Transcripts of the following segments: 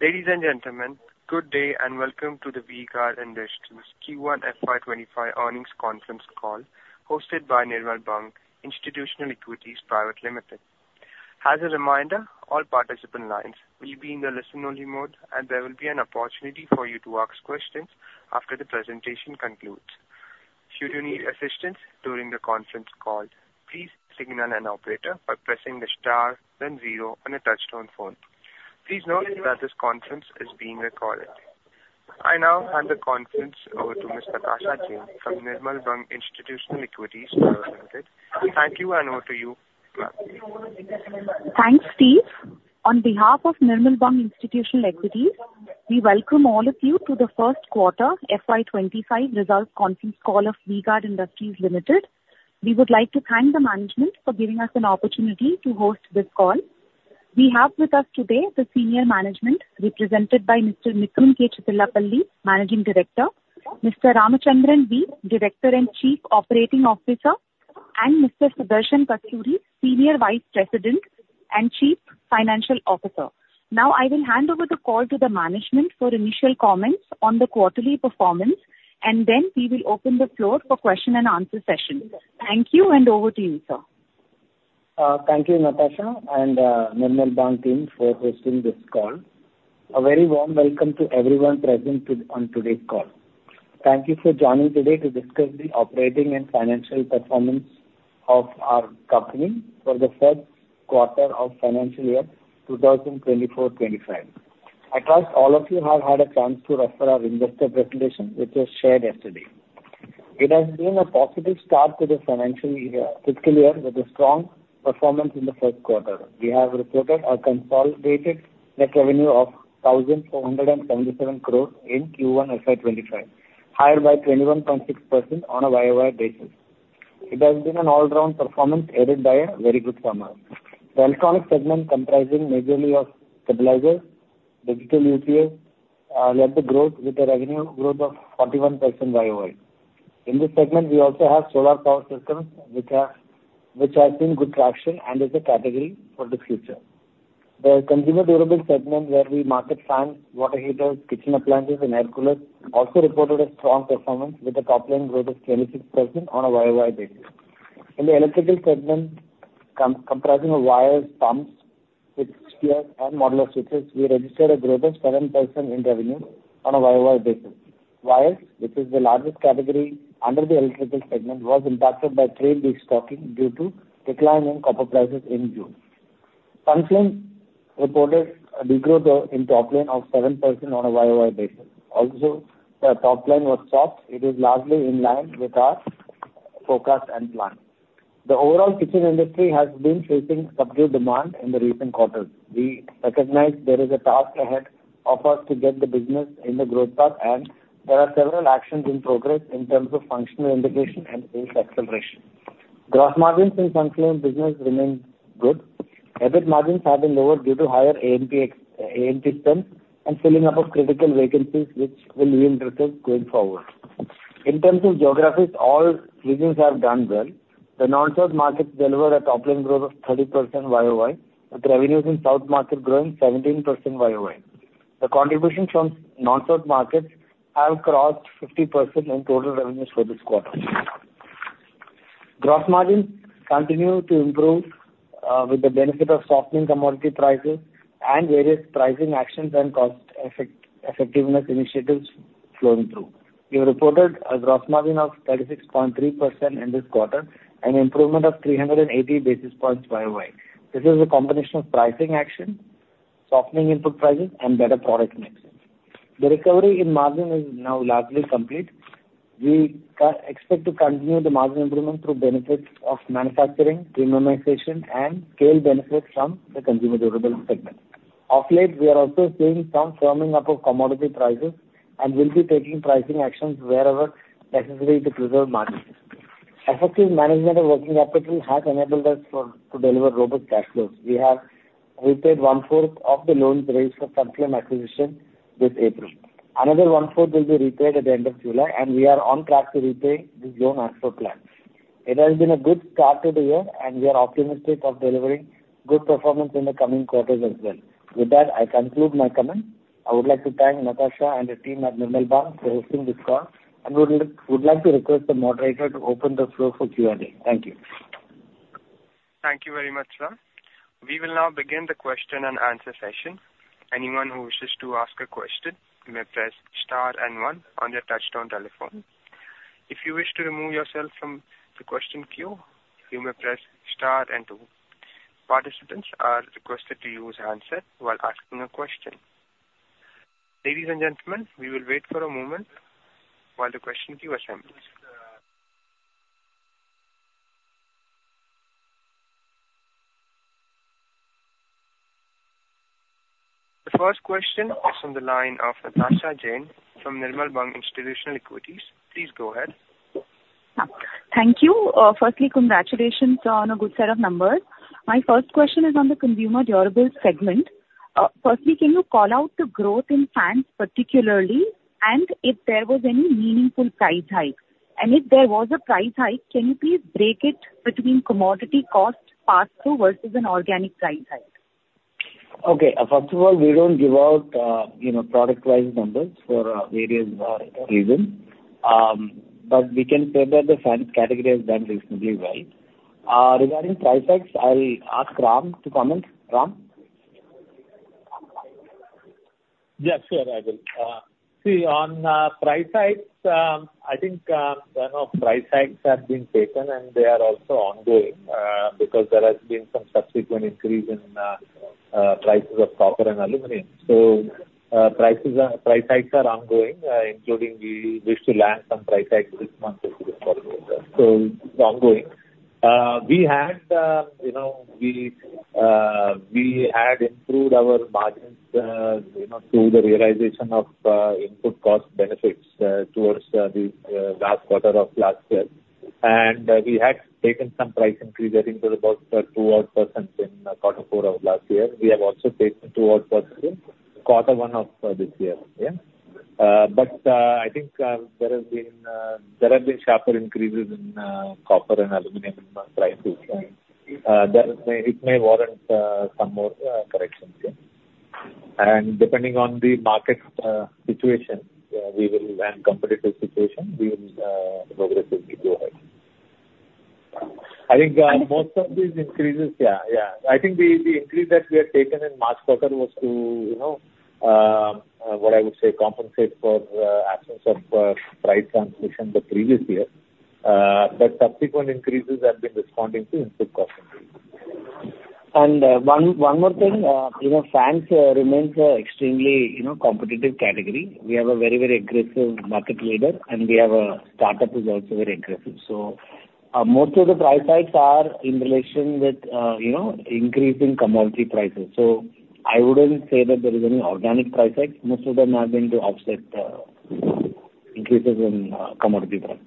Ladies and gentlemen, good day, and welcome to the V-Guard Industries Q1 FY 2025 earnings conference call, hosted by Nirmal Bang Institutional Equities Private Limited. As a reminder, all participant lines will be in the listen-only mode, and there will be an opportunity for you to ask questions after the presentation concludes. Should you need assistance during the conference call, please signal an operator by pressing the star then zero on a touch-tone phone. Please note that this conference is being recorded. I now hand the conference over to Miss Natasha Jain from Nirmal Bang Institutional Equities Private Limited. Thank you, and over to you, ma'am. Thanks, Steve. On behalf of Nirmal Bang Institutional Equities, we welcome all of you to the first quarter FY 2025 results conference call of V-Guard Industries Limited. We would like to thank the management for giving us an opportunity to host this call. We have with us today the senior management, represented by Mr. Mithun Chittilappilly, Managing Director; Mr. Ramachandran V., Director and Chief Operating Officer; and Mr. Sudarshan Kasturi, Senior Vice President and Chief Financial Officer. Now, I will hand over the call to the management for initial comments on the quarterly performance, and then we will open the floor for question and answer session. Thank you, and over to you, sir. Thank you, Natasha, and Nirmal Bang team, for hosting this call. A very warm welcome to everyone present on today's call. Thank you for joining today to discuss the operating and financial performance of our company for the first quarter of financial year 2024-2025. I trust all of you have had a chance to refer our investor presentation, which was shared yesterday. It has been a positive start to the financial year, fiscal year, with a strong performance in the first quarter. We have reported a consolidated net revenue of 1,477 crore in Q1 FY 2025, higher by 21.6% on a YOY basis. It has been an all-round performance, aided by a very good summer. The Electronics segment, comprising majorly of stabilizers, digital UPS, led the growth with a revenue growth of 41% YOY. In this segment, we also have solar power systems, which have seen good traction and is a category for the future. The Consumer Durables segment, where we market fans, water heaters, kitchen appliances and air coolers, also reported a strong performance with a top line growth of 26% on a YOY basis. In the Electricals segment, comprising of wires, pumps, switches, and modular switches, we registered a growth of 7% in revenue on a YOY basis. Wires, which is the largest category under the Electricals segment, was impacted by three weeks stocking due to decline in copper prices in June. Sunflame reported a decline in top line of 7% on a YOY basis. Also, the top line was soft. It is largely in line with our forecast and plan. The overall kitchen industry has been facing subdued demand in the recent quarters. We recognize there is a task ahead of us to get the business in the growth path, and there are several actions in progress in terms of functional integration and sales acceleration. Gross margins in Sunflame business remain good. EBIT margins have been lower due to higher A&P, ex-A&P spends and filling up of critical vacancies, which will be improved going forward. In terms of geographies, all regions have done well. The non-South markets delivered a top line growth of 30% YOY, with revenues in South market growing 17% YOY. The contributions from non-South markets have crossed 50% in total revenues for this quarter. Gross margins continue to improve, with the benefit of softening commodity prices and various pricing actions and cost-effectiveness initiatives flowing through. We reported a gross margin of 36.3% in this quarter, an improvement of 380 basis points YOY. This is a combination of pricing action, softening input prices, and better product mixes. The recovery in margin is now largely complete. We expect to continue the margin improvement through benefits of manufacturing, premiumization, and scale benefits from the Consumer Durables segment. Of late, we are also seeing some firming up of commodity prices and will be taking pricing actions wherever necessary to preserve margins. Effective management of working capital has enabled us to deliver robust cash flows. We have repaid 1/4 of the loans raised for Sunflame acquisition this April. Another 1/4 will be repaid at the end of July, and we are on track to repay this loan as per plan. It has been a good start to the year, and we are optimistic of delivering good performance in the coming quarters as well. With that, I conclude my comment. I would like to thank Natasha and the team at Nirmal Bang for hosting this call, and would like to request the moderator to open the floor for Q&A. Thank you. Thank you very much, sir. We will now begin the question and answer session. Anyone who wishes to ask a question, you may press star and one on your touch-tone telephone. If you wish to remove yourself from the question queue, you may press star and two. Participants are requested to use handset while asking a question. Ladies and gentlemen, we will wait for a moment while the question queue assembles. The first question is on the line of Natasha Jain from Nirmal Bang Institutional Equities. Please go ahead. Thank you. Firstly, congratulations on a good set of numbers. My first question is on the Consumer Durables segment. Firstly, can you call out the growth in fans particularly, and if there was any meaningful price hike? And if there was a price hike, can you please break it between commodity cost pass-through versus an organic price hike? Okay. First of all, we don't give out, you know, product-wise numbers for various reasons. But we can say that the fans category has done reasonably well. Regarding price hikes, I'll ask Ram to comment. Ram? Yeah, sure, I will. See, on price hikes, I think, you know, price hikes have been taken, and they are also ongoing, because there has been some subsequent increase in prices of copper and aluminum. So, price hikes are ongoing, including we wish to land some price hikes this month into the quarter. So it's ongoing. We had, you know, we had improved our margins, you know, through the realization of input cost benefits, towards the last quarter of last year. And we had taken some price increase, I think it was about 2% odd in quarter four of last year. We have also taken 2% odd in quarter one of this year. Yeah. But, I think, there has been, there have been sharper increases in, copper and aluminum prices. That may, it may warrant, some more, corrections. Yeah. And depending on the market, situation, we will land a competitive situation, we will progressively go ahead. I think, most of these increases-- Yeah, yeah. I think the, the increase that we had taken in last quarter was to, you know, what I would say, compensate for, absence of price transmission the previous year. But subsequent increases have been responding to input cost increase. One more thing, you know, fans remain an extremely, you know, competitive category. We have a very, very aggressive market leader, and we have a startup who's also very aggressive. So, most of the price hikes are in relation with, you know, increase in commodity prices. So I wouldn't say that there is any organic price hike. Most of them have been to offset increases in commodity price.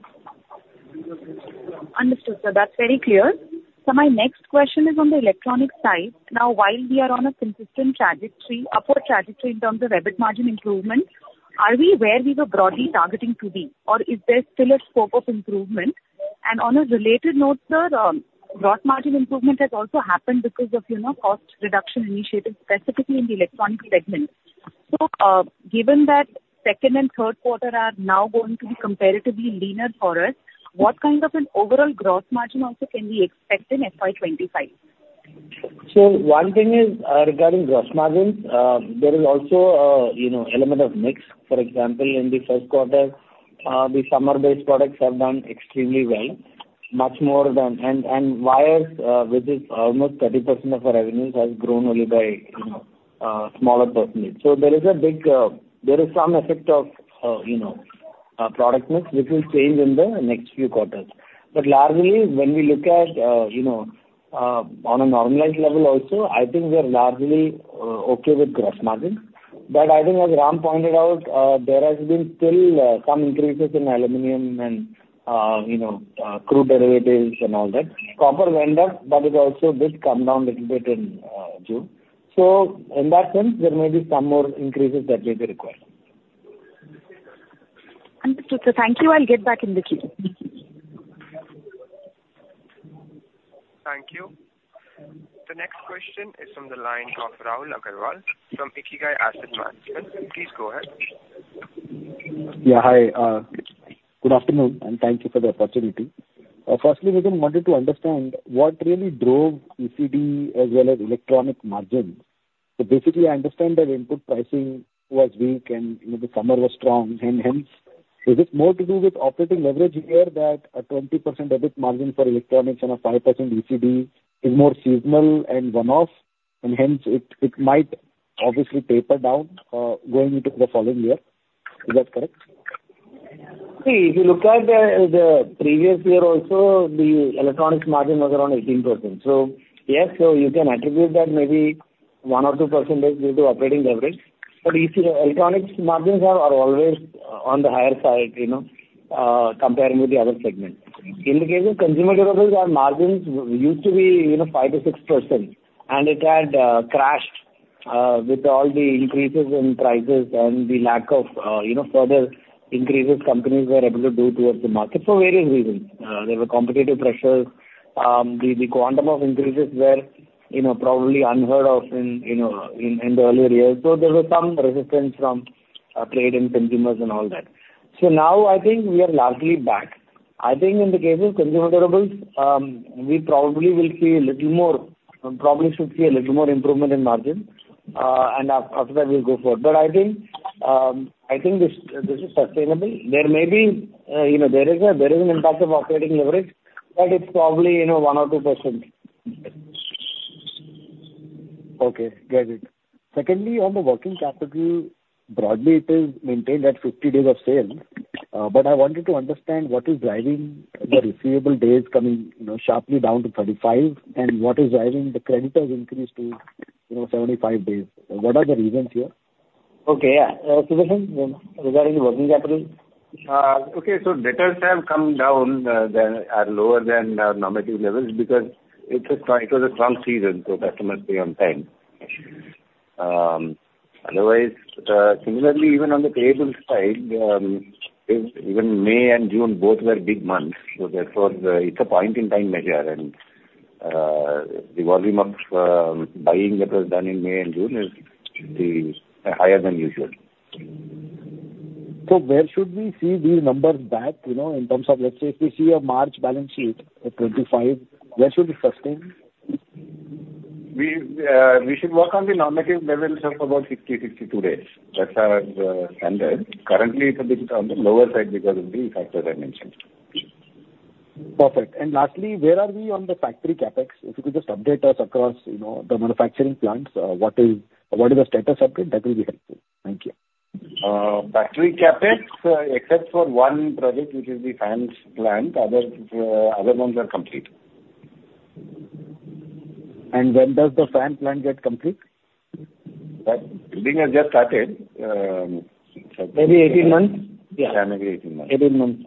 Understood, sir. That's very clear. So my next question is on the Electronics side. Now, while we are on a consistent trajectory, upward trajectory in terms of EBIT margin improvement, are we where we were broadly targeting to be, or is there still a scope of improvement? And on a related note, sir, gross margin improvement has also happened because of, you know, cost reduction initiatives, specifically in the Electronics segment. So, given that second and third quarter are now going to be comparatively leaner for us, what kind of an overall gross margin also can we expect in FY 2025? So one thing is, regarding gross margins, there is also a, you know, element of mix. For example, in the first quarter, the summer-based products have done extremely well, much more than... And wires, which is almost 30% of our revenues, has grown only by smaller percentage. So there is some effect of, you know, product mix, which will change in the next few quarters. But largely, when we look at, you know, on a normalized level also, I think we are largely okay with gross margin. But I think as Ram pointed out, there has been still some increases in aluminum and, you know, crude derivatives and all that. Copper went up, but it also did come down little bit in June. In that sense, there may be some more increases that may be required. Understood, sir. Thank you. I'll get back in the queue. Thank you. The next question is from the line of Rahul Agarwal from IKIGAI Asset Manager. Please go ahead. Yeah, hi. Good afternoon, and thank you for the opportunity. Firstly, we wanted to understand what really drove ECD as well as Electronics margin. So basically, I understand that input pricing was weak and, you know, the summer was strong, and hence, is this more to do with operating leverage here that a 20% EBIT margin for Electronics and a 5% ECD is more seasonal and one-off, and hence it, it might obviously taper down, going into the following year? Is that correct? See, if you look at the previous year also, the Electronics margin was around 18%. So yes, so you can attribute that maybe 1% or 2% due to operating leverage, but Electronics margins are always on the higher side, you know, comparing with the other segments. In the case of Consumer Durables, our margins used to be, you know, 5%-6%, and it had crashed with all the increases in prices and the lack of, you know, further increases companies were able to do towards the market for various reasons. There were competitive pressures. The quantum of increases were, you know, probably unheard of in, you know, in the earlier years. So there was some resistance from trade and consumers and all that. So now I think we are largely back. I think in the case of Consumer Durables, we probably will see a little more, probably should see a little more improvement in margin, and after that we'll go forward. But I think this is sustainable. There may be, you know, there is an impact of operating leverage, but it's probably, you know, 1%-2%. Okay, got it. Secondly, on the working capital, broadly it is maintained at 50 days of sale, but I wanted to understand what is driving the receivable days coming, you know, sharply down to 35, and what is driving the creditors increase to, you know, 75 days? What are the reasons here? Okay, yeah. Sudarshan, regarding the working capital? Okay, so debtors have come down to lower than our normative levels because it was a calm season, so customers pay on time.... Otherwise, similarly, even on the payables side, even May and June both were big months. So therefore, it's a point in time measure, and the volume of buying that was done in May and June is higher than usual. Where should we see these numbers back, you know, in terms of, let's say, if we see a March balance sheet, 2025, where should we sustain? We should work on the normative levels of about 60-62 days. That's our standard. Currently, it's a bit on the lower side because of the factors I mentioned. Perfect. And lastly, where are we on the factory CapEx? If you could just update us across, you know, the manufacturing plants, what is the status update? That will be helpful. Thank you. Factory CapEx, except for one project, which is the fans plant, other ones are complete. When does the fans plant get complete? That building has just started. Maybe 18 months? Yeah. Maybe 18 months. 18 months.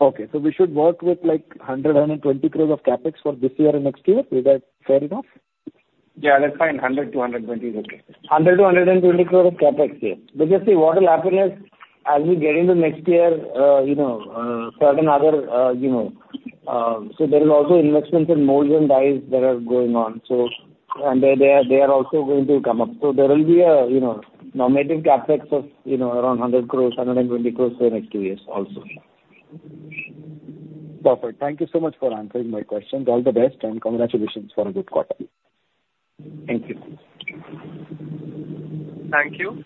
Okay, so we should work with, like, 100-120 crores of CapEx for this year and next year. Is that fair enough? Yeah, that's fine. 100-120 is okay. 100-120 crore of CapEx, yeah. But just see, what will happen is, as we get into next year, you know, certain other, you know... So there is also investments in molds and dies that are going on, so, and they, they are, they are also going to come up. So there will be a, you know, normative CapEx of, you know, around 100 crores, 120 crores for the next two years also. Perfect. Thank you so much for answering my questions. All the best, and congratulations for a good quarter. Thank you. Thank you.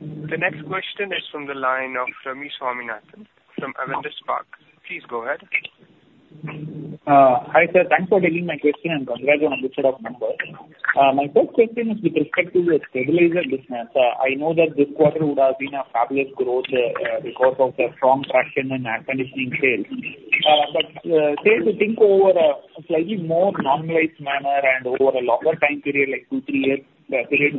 The next question is from the line of Ravi Swaminathan from Avendus Spark. Please go ahead. Hi, sir. Thanks for taking my question, and congrats on a good set of numbers. My first question is with respect to your stabilizer business. I know that this quarter would have been a fabulous growth, because of the strong traction in air conditioning sales. But safe to think over a slightly more normalized manner and over a longer time period, like 2, 3 years period,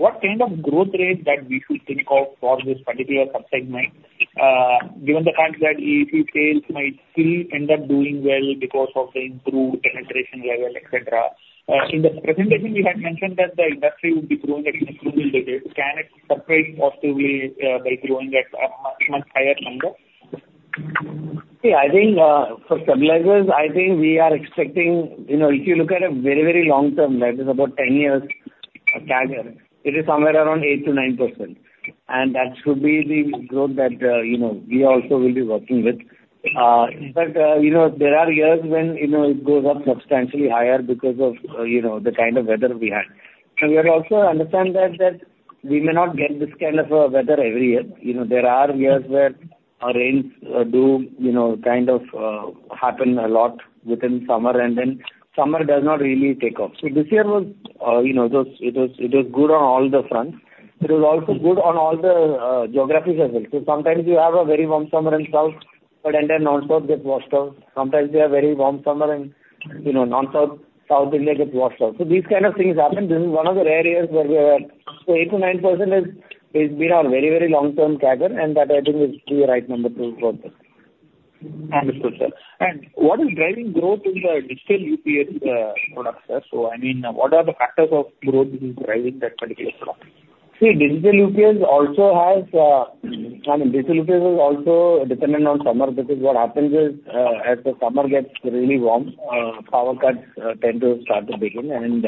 what kind of growth rate that we should think of for this particular sub-segment, given the fact that AC sales might still end up doing well because of the improved penetration level, et cetera. In the presentation, you had mentioned that the industry would be growing at a single digit. Can it surprise positively, by growing at a much, much higher number? See, I think, for stabilizers, I think we are expecting, you know, if you look at a very, very long term, that is about 10 years CAGR, it is somewhere around 8%-9%, and that should be the growth that, you know, we also will be working with. But, you know, there are years when, you know, it goes up substantially higher because of, you know, the kind of weather we had. And we also understand that, that we may not get this kind of weather every year. You know, there are years where our rains do, you know, kind of happen a lot within summer, and then summer does not really take off. So this year was, you know, it was, it was, it was good on all the fronts. It was also good on all the geographies as well. So sometimes you have a very warm summer in South, but then the non-South gets washed out. Sometimes we have very warm summer and, you know, non-South, South India gets washed out. So these kind of things happen. This is one of the rare years where we are... So 8%-9% is, is been our very, very long term CAGR, and that I think is the right number to go with this. Understood, sir. And what is driving growth in the digital UPS products, sir? So, I mean, what are the factors of growth driving that particular product? See, digital UPS also has, I mean, digital UPS is also dependent on summer, because what happens is, as the summer gets really warm, power cuts tend to start to begin and,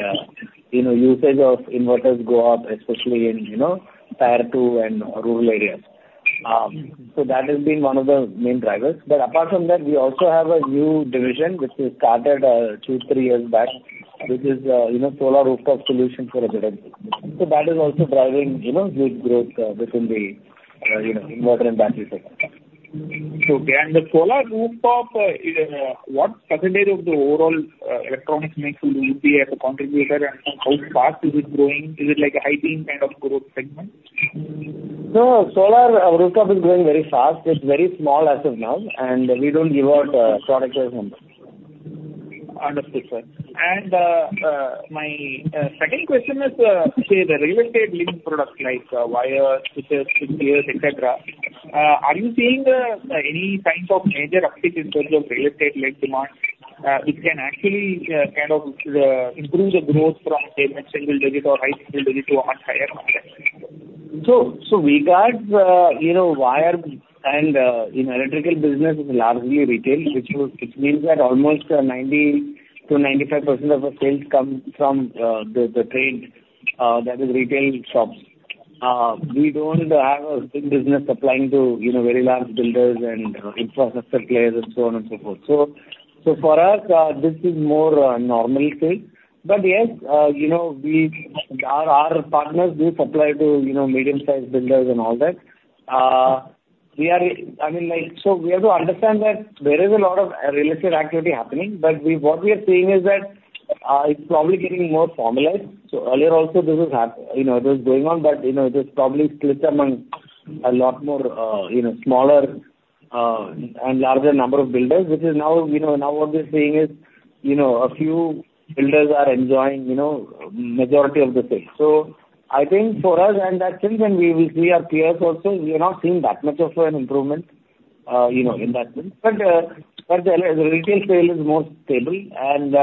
you know, usage of inverters go up, especially in, you know, Tier 2 and rural areas. So that has been one of the main drivers. But apart from that, we also have a new division, which we started, two, three years back, which is, you know, solar rooftop solution for residential. So that is also driving, you know, good growth, within the, you know, inverter and battery segment. Okay. And the solar rooftop, what percentage of the overall Electronics mix will it be as a contributor, and how fast is it growing? Is it like a high-paying kind of growth segment? No, solar rooftop is growing very fast. It's very small as of now, and we don't give out, product sales numbers. Understood, sir. And my second question is, say, the real estate leading products like wires, switches, etcetera, are you seeing any kind of major uptick in terms of real estate, like, demand, which can actually kind of improve the growth from, say, a single-digit or high single-digit to a much higher number? So V-Guard's, you know, wire and, you know, Electricals business is largely retail, which would—which means that almost 90%-95% of the sales come from the trade, that is retail shops. We don't have a big business supplying to, you know, very large builders and infrastructure players and so on and so forth. So for us, this is more a normal thing. But yes, you know, we, our partners do supply to, you know, medium-sized builders and all that. We are... I mean, like, so we have to understand that there is a lot of real estate activity happening, but we—what we are seeing is that it's probably getting more formalized. So earlier also, this was you know, it was going on, but you know, it is probably split among a lot more you know, smaller and larger number of builders, which is now you know, now what we're seeing is you know, a few builders are enjoying you know, majority of the sales. So I think for us, and actually when we our peers also, we are not seeing that much of an improvement you know, investment. But but the retail sale is more stable. And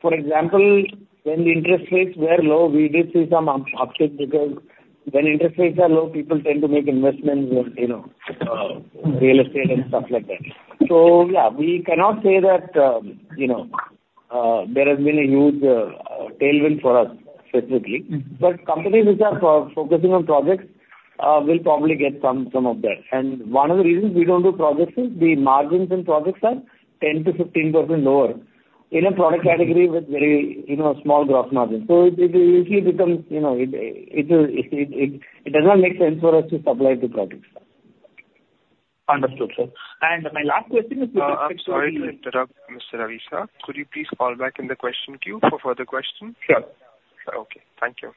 for example, when the interest rates were low, we did see some up-upside, because when interest rates are low, people tend to make investments in you know real estate and stuff like that. So yeah, we cannot say that you know there has been a huge tailwind for us specifically. But companies which are focusing on projects will probably get some of that. And one of the reasons we don't do projects is the margins in projects are 10%-15% lower in a product category with very, you know, small gross margin. So it does not make sense for us to supply to projects. Understood, sir. My last question is- Sorry to interrupt, Mr. Ravi sir. Could you please call back in the question queue for further questions? Sure. Okay, thank you.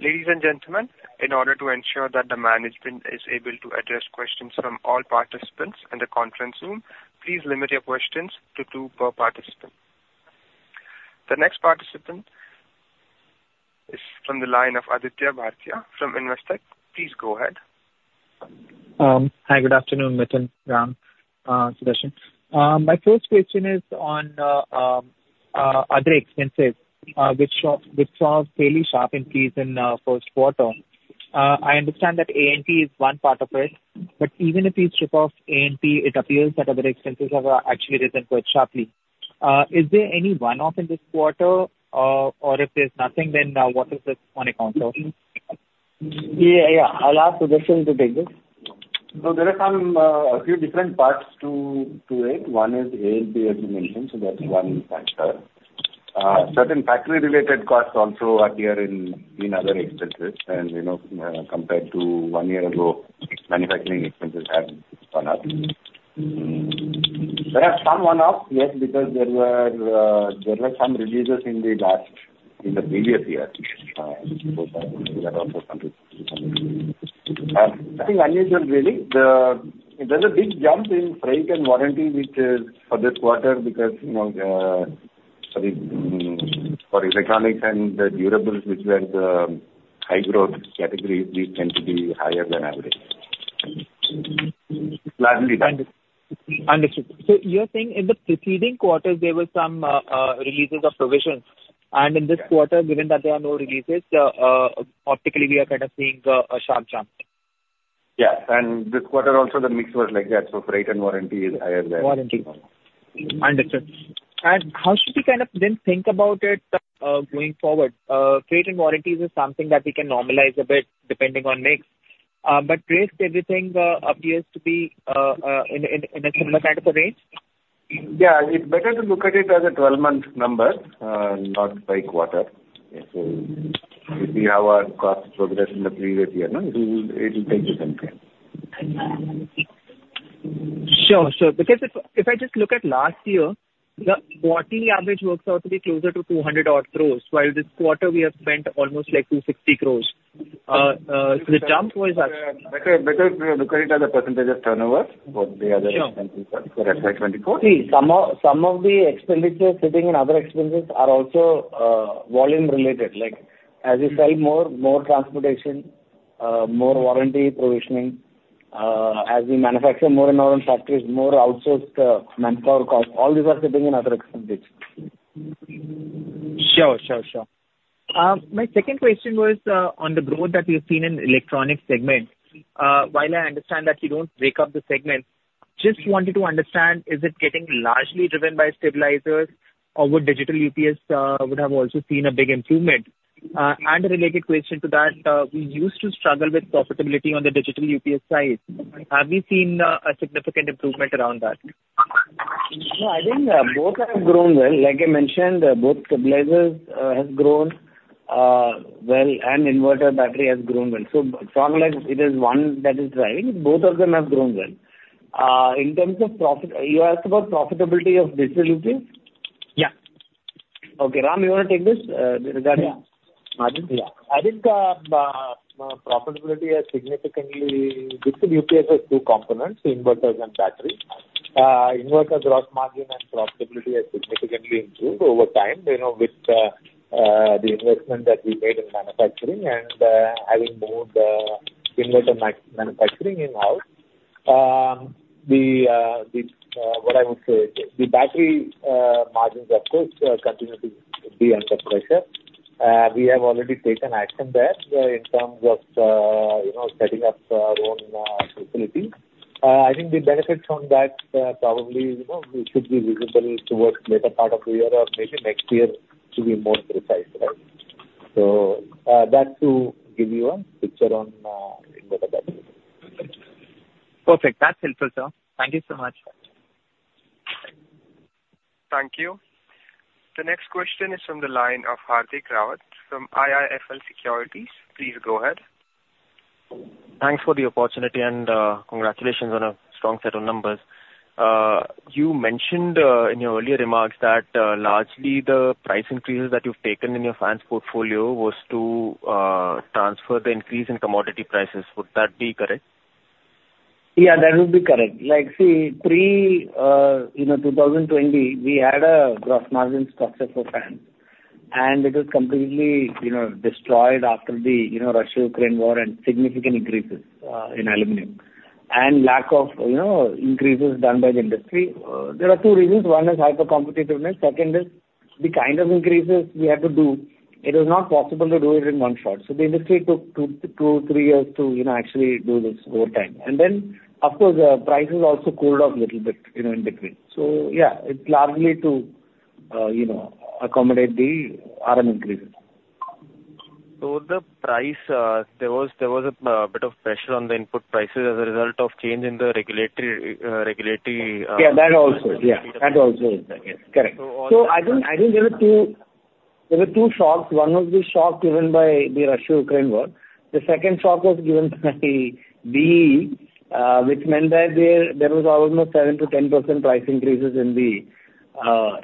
Ladies and gentlemen, in order to ensure that the management is able to address questions from all participants in the conference room, please limit your questions to two per participant. The next participant is from the line of Aditya Bhartia from Investec. Please go ahead. Hi, good afternoon, Mithun, Ram, Sudarshan. My first question is on other expenses, which saw a fairly sharp increase in first quarter. I understand that A&P is one part of it, but even if you strip off A&P, it appears that other expenses have actually risen quite sharply. Is there any one-off in this quarter, or if there's nothing, then what is this on account of? Yeah, yeah. I'll ask Sudarshan to take this. So there are some, a few different parts to it. One is A&P, as you mentioned, so that's one factor. Certain factory-related costs also appear in other expenses. You know, compared to one year ago, manufacturing expenses have gone up. There are some one-off, yes, because there were, there were some releases in the last, in the previous year, nothing unusual, really. There's a big jump in freight and warranty, which is for this quarter, because, you know, for the, for Electronics and the Durables, which were the high growth category, these tend to be higher than average. Understood. So you're saying in the preceding quarters, there were some releases of provisions. And in this quarter, given that there are no releases, optically, we are kind of seeing a sharp jump? Yeah, and this quarter also, the mix was like that, so freight and warranty is higher than- Warranty [alone]. Understood. And how should we kind of then think about it, going forward? Freight and warranties is something that we can normalize a bit depending on mix. But rest everything appears to be in a similar kind of a range? Yeah, it's better to look at it as a 12-month number, not by quarter. So if we have our cost progress in the previous year, no, it will, it will tell you something. Sure, sure. Because if I just look at last year, the quarterly average works out to be closer to 200 odd crores, while this quarter we have spent almost like 260 crores. So the jump was- Better, better to look at it as a percentage of turnover for the other expenses for FY 2024. See, some of, some of the expenditures sitting in other expenses are also, volume related. Like, as you sell more, more transportation, more warranty provisioning, as we manufacture more in our own factories, more outsourced, manpower costs, all these are sitting in other expenses. Sure, sure, sure. My second question was on the growth that we've seen in Electronics segment. While I understand that you don't break up the segment, just wanted to understand, is it getting largely driven by stabilizers or would digital UPS have also seen a big improvement? And a related question to that, we used to struggle with profitability on the digital UPS side. Have we seen a significant improvement around that? No, I think, both have grown well. Like I mentioned, both, stabilizers has grown well, and inverter battery has grown well. So it's not like it is one that is driving. Both of them have grown well. In terms of profit, you asked about profitability of digital UPS? Yeah. Okay, Ram, you want to take this, regarding- Yeah. I think profitability has significantly... UPS has two components, inverters and batteries. Inverter gross margin and profitability has significantly improved over time, you know, with the investment that we made in manufacturing and having moved inverter manufacturing in-house. What I would say is this: the battery margins, of course, continue to be under pressure. We have already taken action there, in terms of you know, setting up our own facility. I think the benefits from that probably, you know, it should be visible towards later part of the year or maybe next year, to be more precise, right? So, that's to give you a picture on inverter battery. Perfect. That's helpful, sir. Thank you so much. Thank you. The next question is from the line of Hardik Rawat from IIFL Securities. Please go ahead. Thanks for the opportunity and, congratulations on a strong set of numbers. You mentioned, in your earlier remarks that, largely the price increases that you've taken in your fans portfolio was to, transfer the increase in commodity prices. Would that be correct? Yeah, that would be correct. Like, see, pre, you know, 2020, we had a gross margin structure for fans... and it was completely, you know, destroyed after the, you know, Russia-Ukraine war, and significant increases in aluminum. And lack of, you know, increases done by the industry. There are two reasons: one is hyper-competitiveness, second is the kind of increases we had to do, it was not possible to do it in one shot. So the industry took 2, 3 years to, you know, actually do this over time. And then, of course, prices also cooled off a little bit, you know, in between. So yeah, it's largely to, you know, accommodate the RM increases. There was a bit of pressure on the input prices as a result of change in the regulatory... Yeah, that also. Yeah, that also is there. Yes, correct. So also- So I think there were two shocks. One was the shock given by the Russia-Ukraine war. The second shock was given by the, which meant that there was almost 7%-10% price increases in the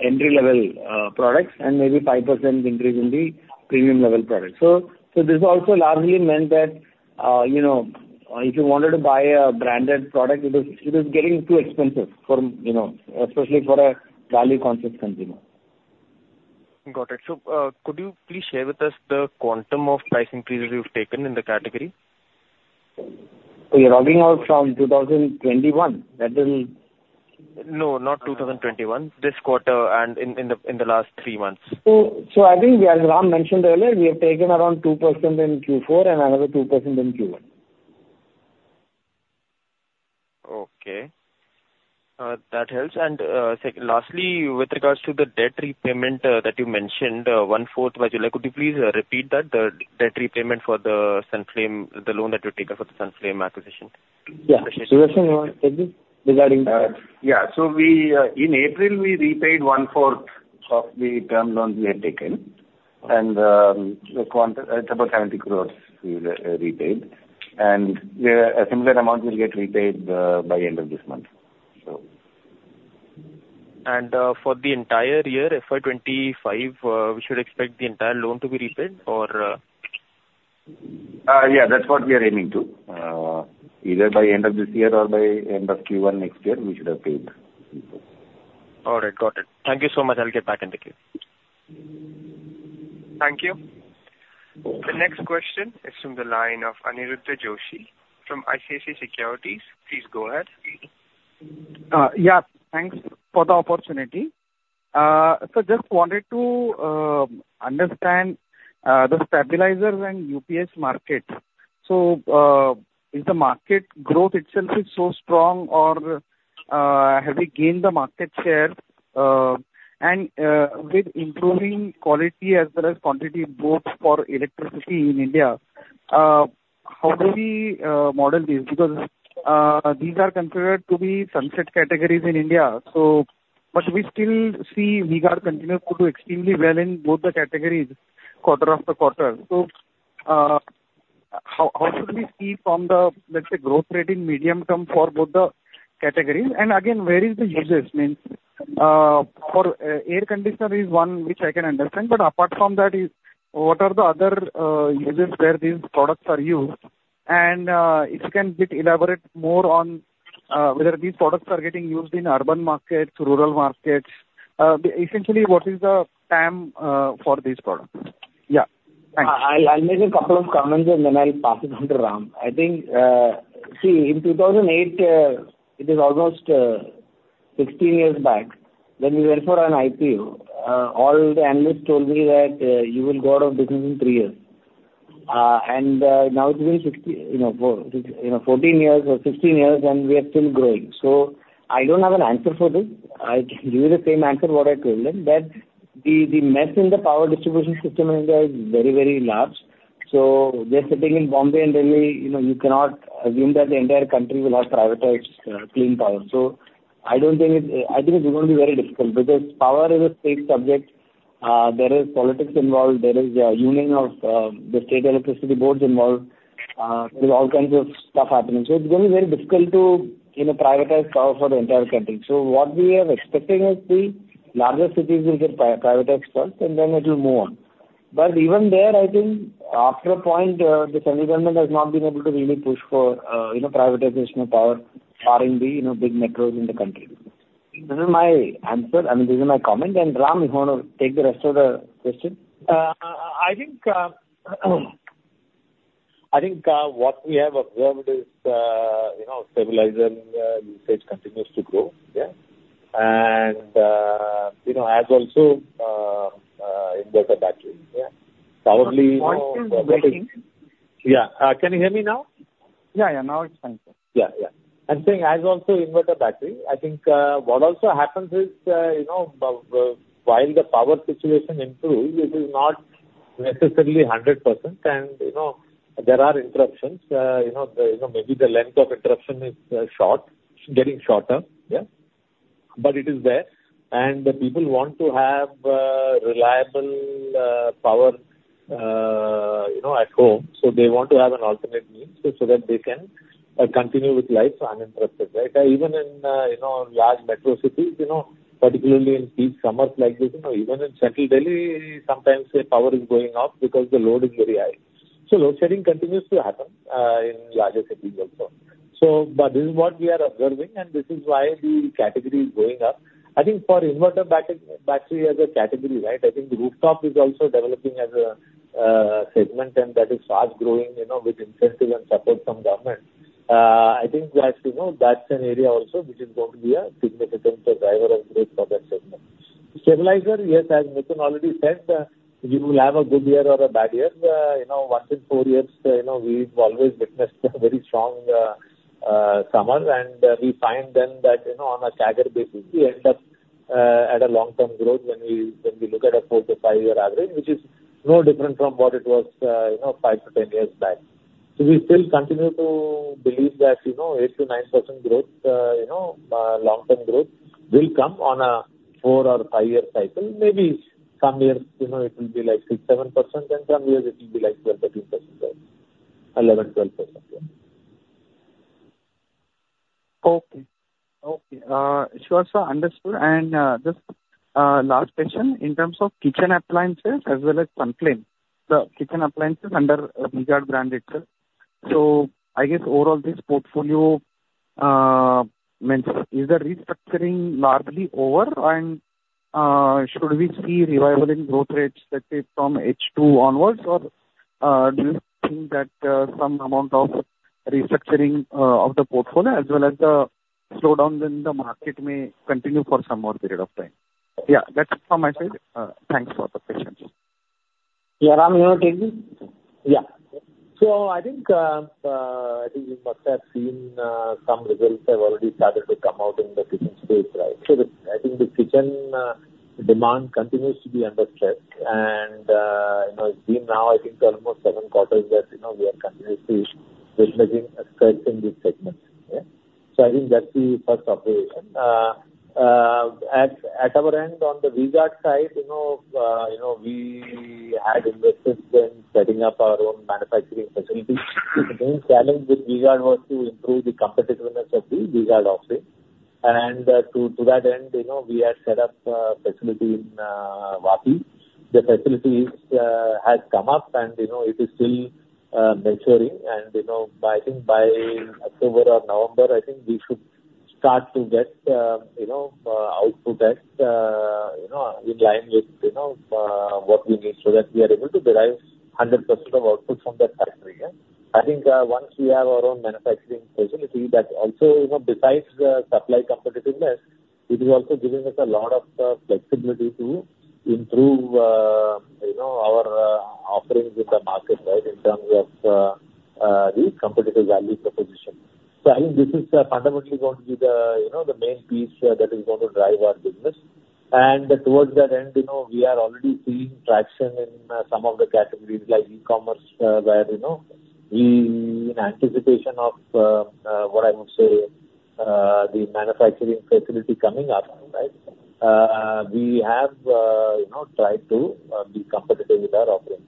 entry-level products, and maybe 5% increase in the premium level products. So this also largely meant that, you know, if you wanted to buy a branded product, it was getting too expensive for, you know, especially for a value-conscious consumer. Got it. So, could you please share with us the quantum of price increases you've taken in the category? You're talking about from 2021? That will- No, not 2021. This quarter, and in the last three months. So, I think, as Ram mentioned earlier, we have taken around 2% in Q4 and another 2% in Q1. Okay, that helps. Lastly, with regards to the debt repayment that you mentioned, 1/4 by July, could you please repeat that, the debt repayment for the Sunflame, the loan that you taken for the Sunflame acquisition? Yeah. Sudarshan, you want to take this? Regarding the- Yeah. So we... In April, we repaid 1/4 of the term loan we had taken. And, it's about 70 crores we repaid. And, yeah, a similar amount will get repaid by end of this month, so. For the entire year, FY 2025, we should expect the entire loan to be repaid or...? Yeah, that's what we are aiming to. Either by end of this year or by end of Q1 next year, we should have paid in full. All right. Got it. Thank you so much. I'll get back in the queue. Thank you. The next question is from the line of Aniruddha Joshi from ICICI Securities. Please go ahead. Yeah, thanks for the opportunity. So just wanted to understand the stabilizers and UPS market. So, is the market growth itself is so strong or have we gained the market share? And, with improving quality as well as quantity of power in India, how do we model this? Because these are considered to be sunset categories in India, so but we still see V-Guard continue to do extremely well in both the categories quarter after quarter. So, how should we see from the, let's say, growth rate in medium term for both the categories? And again, where is the usage? Means, for air conditioner is one which I can understand, but apart from that, what are the other uses where these products are used? If you can a bit elaborate more on whether these products are getting used in urban markets, rural markets. Essentially, what is the TAM for these products? Yeah, thanks. I'll make a couple of comments, and then I'll pass it on to Ram. I think, see, in 2008, it is almost 16 years back, when we went for an IPO, all the analysts told me that, "You will go out of business in 3 years." And, now it's been 16, you know, you know, 14 years or 16 years, and we are still growing. So I don't have an answer for this. I'll give you the same answer what I told them, that the, the mess in the power distribution system in India is very, very large. So just sitting in Mumbai and Delhi, you know, you cannot assume that the entire country will have privatized clean power. So I don't think it's, I think it's going to be very difficult because power is a state subject. There is politics involved, there is a union of the state electricity boards involved, there's all kinds of stuff happening. So it's going to be very difficult to, you know, privatize power for the entire country. So what we are expecting is the larger cities will get privatized first, and then it will move on. But even there, I think after a point, the central government has not been able to really push for, you know, privatization of power but in the big metros in the country. This is my answer. I mean, this is my comment. And, Ram, you want to take the rest of the question? I think what we have observed is, you know, stabilizer usage continues to grow, yeah. And, you know, as also inverter battery, yeah. Probably, you know- [Line is breaking.] Yeah. Can you hear me now? Yeah, yeah, now it's fine, sir. Yeah, yeah. I'm saying as also inverter battery, I think, what also happens is, you know, while the power situation improves, it is not necessarily 100% and, you know, there are interruptions. You know, maybe the length of interruption is short, it's getting shorter. Yeah? But it is there. And the people want to have reliable power, you know, at home. So they want to have an alternate means, so, so that they can continue with life uninterrupted, right? Even in, you know, large metro cities, you know, particularly in peak summers like this, you know, even in Central Delhi, sometimes the power is going off because the load is very high.... So load shedding continues to happen in larger cities also. So but this is what we are observing, and this is why the category is going up. I think for inverter battery as a category, right, I think rooftop is also developing as a segment, and that is fast growing, you know, with incentive and support from government. I think that, you know, that's an area also which is going to be a significant driver of growth for that segment. Stabilizer, yes, as Mithun already said, you will have a good year or a bad year. You know, once in four years, you know, we've always witnessed a very strong summer. We find then that, you know, on a CAGR basis, we end up at a long-term growth when we, when we look at a 4 year-5 year average, which is no different from what it was, you know, 5 years-10 years back. We still continue to believe that, you know, 8%-9% growth, you know, long-term growth will come on a 4- or 5-year cycle. Maybe some years, you know, it will be like 6%, 7%, and some years it will be like 12%, 13% growth, 11%, 12% growth. Okay. Okay, sure, sir, understood. And, just, last question. In terms of kitchen appliances as well as Sunflame, the kitchen appliances under V-Guard brand itself. So I guess overall, this portfolio means is the restructuring largely over? And, should we see revival in growth rates, let's say, from H2 onwards? Or, do you think that some amount of restructuring of the portfolio as well as the slowdown in the market may continue for some more period of time? Yeah, that's from my side. Thanks for the patience. Yeah, Ram, you want to take this? Yeah. So I think, I think you must have seen, some results have already started to come out in the kitchen space, right? So the, I think the kitchen, demand continues to be under stress. And, you know, it's been now, I think, almost seven quarters that, you know, we are continuously witnessing a stress in this segment. Yeah? So I think that's the first observation. At, at our end, on the V-Guard side, you know, you know, we had invested in setting up our own manufacturing facility. The main challenge with V-Guard was to improve the competitiveness of the V-Guard offering. And, to, to that end, you know, we had set up a facility in Vapi. The facility, has come up and, you know, it is still, maturing. You know, by, I think by October or November, I think we should start to get, you know, output that, you know, in line with, you know, what we need, so that we are able to derive 100% of output from that factory, yeah? I think, once we have our own manufacturing facility, that also, you know, besides the supply competitiveness, it is also giving us a lot of, flexibility to improve, you know, our, offerings in the market, right, in terms of, the competitive value proposition. So I think this is, fundamentally going to be the, you know, the main piece, that is going to drive our business. And towards that end, you know, we are already seeing traction in some of the categories like e-commerce, where, you know, we in anticipation of what I would say the manufacturing facility coming up, right, we have, you know, tried to be competitive with our offerings.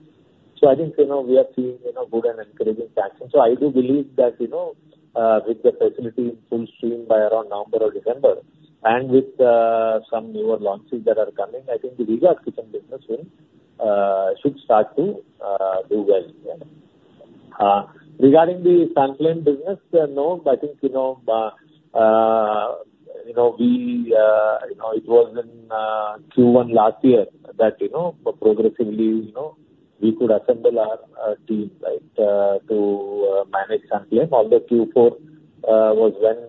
So I think, you know, we are seeing, you know, good and encouraging traction. So I do believe that, you know, with the facility in full stream by around November or December, and with some newer launches that are coming, I think the V-Guard kitchen business will should start to do well, yeah. Regarding the Sunflame business, no, I think, you know, you know, we, you know, it was in Q1 last year that, you know, progressively, you know, we could assemble our team, right, to manage Sunflame, although Q4 was when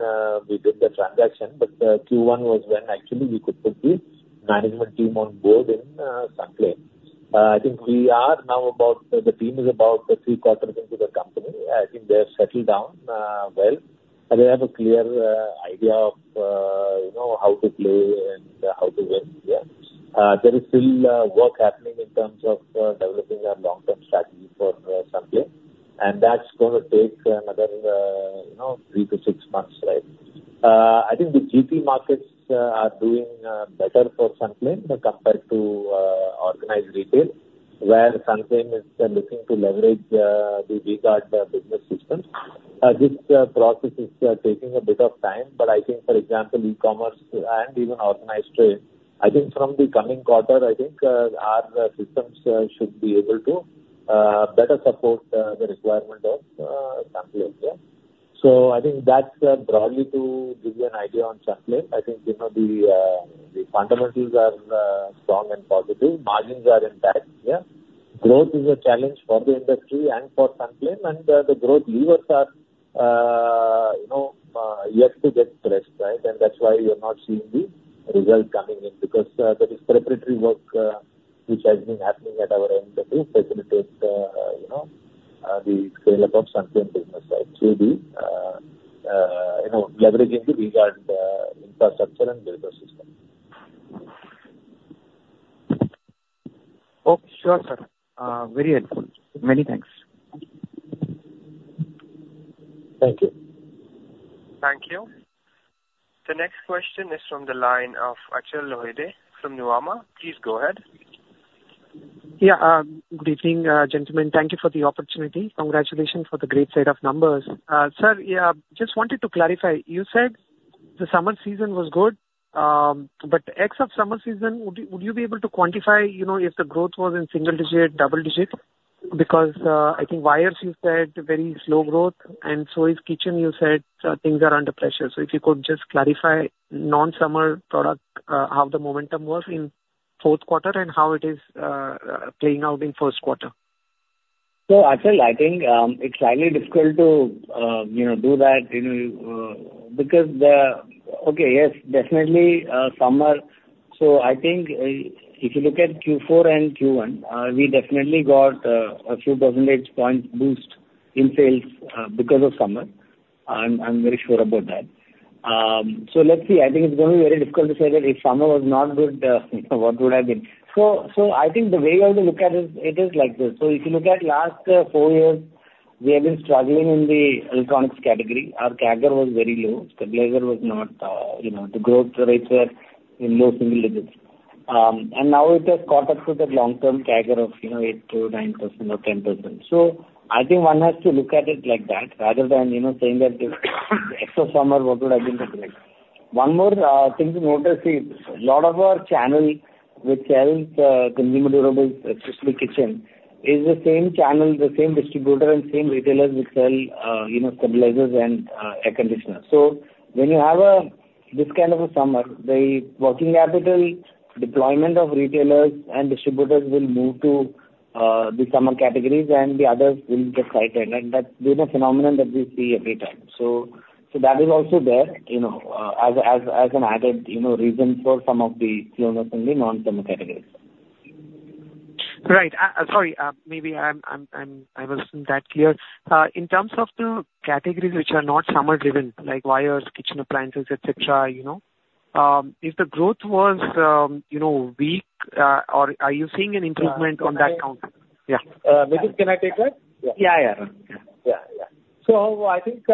we did the transaction. But Q1 was when actually we could put the management team on board in Sunflame. I think we are now about the team is about three quarters into the company. I think they're settled down well, and they have a clear idea of you know, how to play and how to win. Yeah. There is still work happening in terms of developing a long-term strategy for Sunflame, and that's going to take another you know, three to six months, right? I think the GT markets are doing better for Sunflame compared to organized retail, where Sunflame is looking to leverage the V-Guard business systems. This process is taking a bit of time, but I think, for example, e-commerce and even organized trade, I think from the coming quarter, I think our systems should be able to better support the requirement of Sunflame. Yeah. So I think that's broadly to give you an idea on Sunflame. I think, you know, the fundamentals are strong and positive. Margins are intact. Yeah. Growth is a challenge for the industry and for Sunflame, and the growth levers are, you know, yet to get pressed, right? And that's why you're not seeing the result coming in, because there is preparatory work which has been happening at our end to facilitate you know the scale-up of Sunflame business, right? So the you know leveraging the V-Guard infrastructure and delivery system. Okay, sure, sir. Very helpful. Many thanks. Thank you. Thank you. The next question is from the line of Achal Lohade from Nuvama. Please go ahead. Yeah, good evening, gentlemen. Thank you for the opportunity. Congratulations for the great set of numbers. Sir, yeah, just wanted to clarify, you said- ...The summer season was good. But except summer season, would you be able to quantify, you know, if the growth was in single digit, double digit? Because, I think wires you said very slow growth, and so is kitchen, you said, things are under pressure. So if you could just clarify non-summer product, how the momentum was in fourth quarter and how it is playing out in first quarter. So Achal, I think it's slightly difficult to, you know, do that, you know, because. Okay, yes, definitely, summer. So I think, if you look at Q4 and Q1, we definitely got a few percentage points boost in sales, because of summer. I'm very sure about that. So let's see. I think it's going to be very difficult to say that if summer was not good, you know, what would have been? So I think the way you have to look at it, it is like this: So if you look at last four years, we have been struggling in the Electronics category. Our CAGR was very low. Stabilizer was not, you know, the growth rates were in low single digits. And now it has caught up to that long-term CAGR of, you know, 8%-9% or 10%. So I think one has to look at it like that, rather than, you know, saying that except summer, what would have been the case? One more thing to note is, see, a lot of our channel, which sells Consumer Durables, especially kitchen, is the same channel, the same distributor, and same retailers which sell, you know, stabilizers and air conditioners. So when you have a this kind of a summer, the working capital deployment of retailers and distributors will move to the summer categories, and the others will get sidelined. And that's been a phenomenon that we see every time. So, that is also there, you know, as an added, you know, reason for some of the slowdown in the non-summer categories. Right. Sorry, maybe I wasn't that clear. In terms of the categories which are not summer-driven, like wires, kitchen, appliances, et cetera, you know. If the growth was, you know, weak, or are you seeing an improvement on that count? Yeah. Mithun, can I take that? Yeah, yeah. Yeah, yeah. So I think,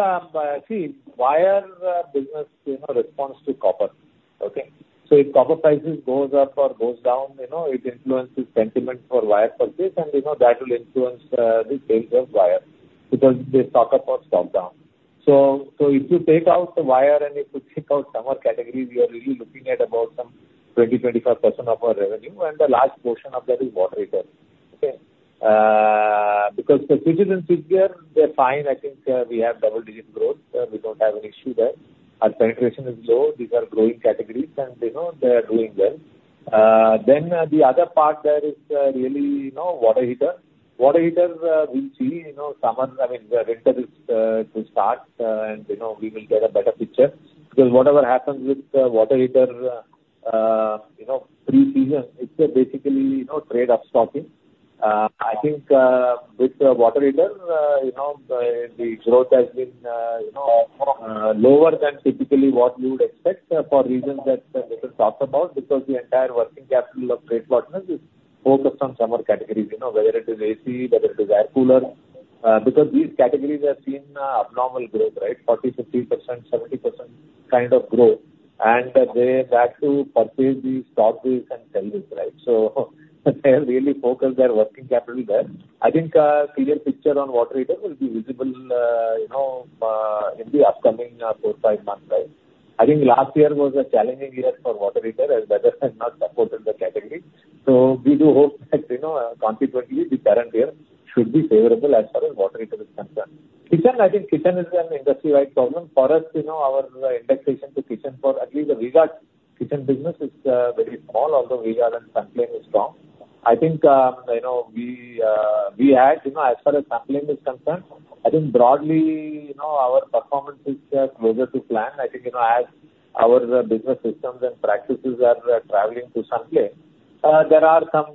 see, wire business, you know, responds to copper, okay? So if copper prices goes up or goes down, you know, it influences sentiment for wire purchase, and, you know, that will influence the sales of wire because they stock up or stock down. So, so if you take out the wire and if you take out summer categories, we are really looking at about some 20%, 25% of our revenue, and the large portion of that is water heater, okay? Because the switches and switches, they're fine. I think we have double-digit growth. We don't have an issue there. Our penetration is low. These are growing categories, and, you know, they are doing well. Then the other part there is really, you know, water heater. Water heaters, we'll see, you know, summer, I mean, the winter is to start, and, you know, we will get a better picture. Because whatever happens with water heater, you know, pre-season, it's basically, you know, trade up stopping. I think, with water heater, you know, the growth has been, you know, lower than typically what you would expect, for reasons that Mithun talked about, because the entire working capital of trade partners is focused on summer categories, you know, whether it is AC, whether it is air cooler. Because these categories have seen abnormal growth, right? 40%, 50%, 70% kind of growth. And they have to purchase these stocks and sell this, right? So they really focus their working capital there. I think, clear picture on water heater will be visible, you know, in the upcoming, four or five months, right? I think last year was a challenging year for water heater, as weather has not supported the category. So we do hope that, you know, consequently, the current year should be favorable as far as water heater is concerned. Kitchen, I think kitchen is an industry-wide problem. For us, you know, our indexation to kitchen for at least the V-Guard kitchen business is, very small, although V-Guard and Sunflame is strong. I think, you know, we, we had, you know, as far as Sunflame is concerned, I think broadly, you know, our performance is, closer to plan. I think, you know, as our business systems and practices are traveling to Sunflame, there are some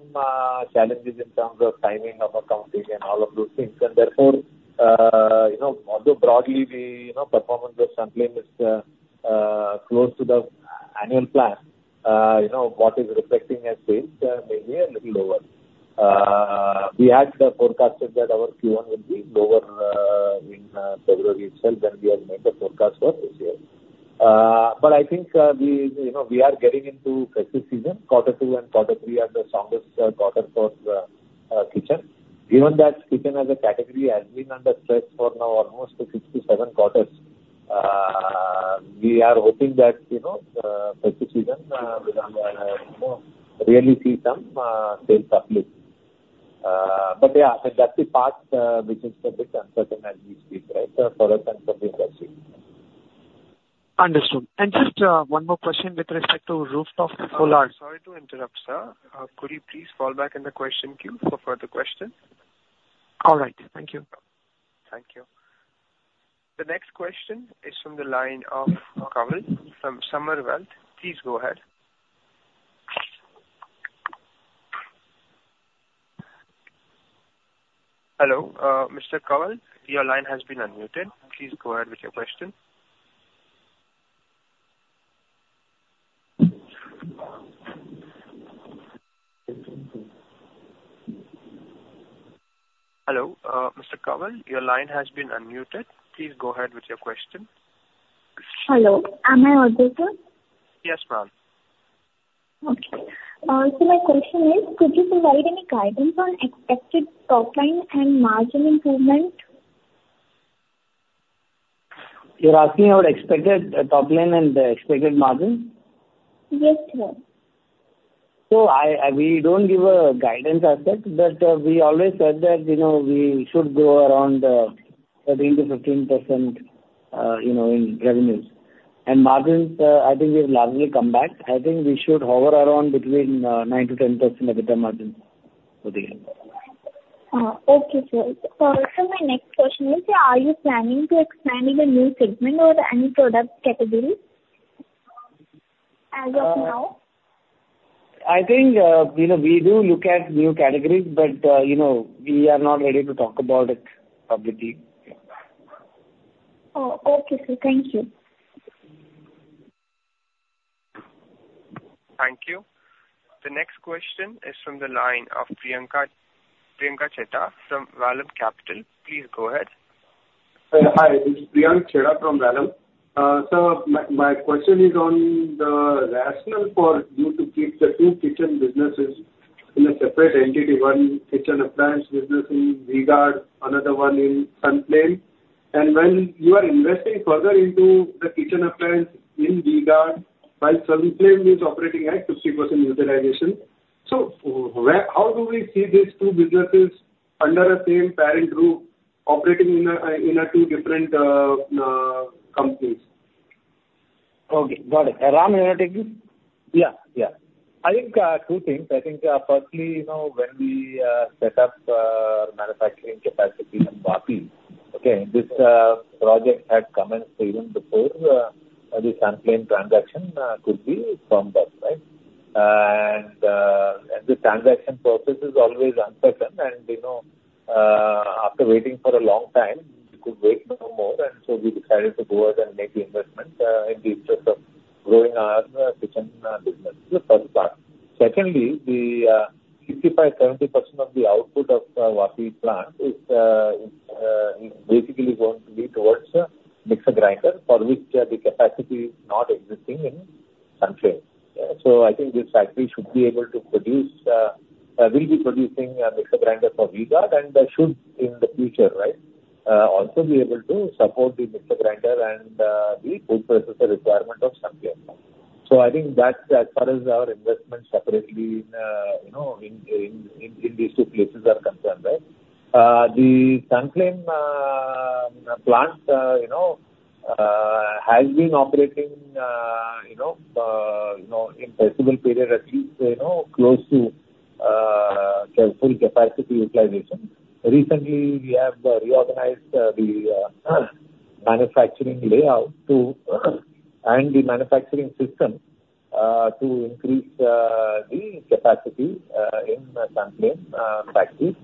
challenges in terms of timing of accounting and all of those things. And therefore, you know, although broadly you know, performance of Sunflame is close to the annual plan, you know, what is reflecting as sales may be a little lower. We had forecasted that our Q1 will be lower in February itself, when we had made the forecast for this year. But I think, you know, we are getting into festive season. Quarter two and quarter three are the strongest quarters for the kitchen. Given that kitchen as a category has been under stress for now almost six to seven quarters, we are hoping that, you know, festive season will, you know, really see some sales uplift. But yeah, I think that's the part which is a bit uncertain as we speak, right? So for us and for the industry. Understood. Just one more question with respect to rooftop solar- Sorry to interrupt, sir. Could you please fall back in the question queue for further question? All right. Thank you. Thank you. The next question is from the line of Kawal from Samar Wealth. Please go ahead. Hello, Mr. Kawal, your line has been unmuted. Please go ahead with your question. Hello, Mr. Kawal, your line has been unmuted. Please go ahead with your question. Hello, am I audible? Yes, ma'am.... Okay. So my question is, could you provide any guidance on expected top line and margin improvement? You're asking about expected, top line and the expected margin? Yes, sir. So we don't give a guidance as such, but we always said that, you know, we should grow around 13%-15%, you know, in revenues. And margins, I think we've largely come back. I think we should hover around between 9%-10% EBITDA margins for the year. Okay, sir. So sir, my next question is, are you planning to expand in a new segment or any product category as of now? I think, you know, we do look at new categories, but, you know, we are not ready to talk about it publicly. Oh, okay, sir. Thank you. Thank you. The next question is from the line of Priyank, Priyank Chheda from Vallum Capital. Please go ahead. Hi, this is Priyank Chheda from Vallum. So my question is on the rationale for you to keep the two kitchen businesses in a separate entity, one kitchen appliance business in V-Guard, another one in Sunflame. And when you are investing further into the kitchen appliance in V-Guard, while Sunflame is operating at 50% utilization. So where, how do we see these two businesses under the same parent group operating in a two different companies? Okay, got it. Ram, you want to take this? Yeah, yeah. I think, two things. I think, firstly, you know, when we set up manufacturing capacity in Vapi, okay, this project had commenced even before the Sunflame transaction could be firmed up, right? And the transaction process is always uncertain, and, you know, after waiting for a long time, we could wait no more. So we decided to go ahead and make the investment in the interest of growing our kitchen business. That's first part. Secondly, the 65%-70% of the output of Vapi plant is basically going to be towards mixer grinder, for which the capacity is not existing in Sunflame. So I think this factory should be able to produce, will be producing a mixer grinder for V-Guard, and should in the future, right, also be able to support the mixer grinder and the food processor requirement of Sunflame. So I think that's as far as our investment separately in, you know, these two places are concerned, right? The Sunflame plant, you know, you know, you know, in festival period, at least, you know, close to the full capacity utilization. Recently, we have reorganized the manufacturing layout to, and the manufacturing system to increase the capacity in the Sunflame factory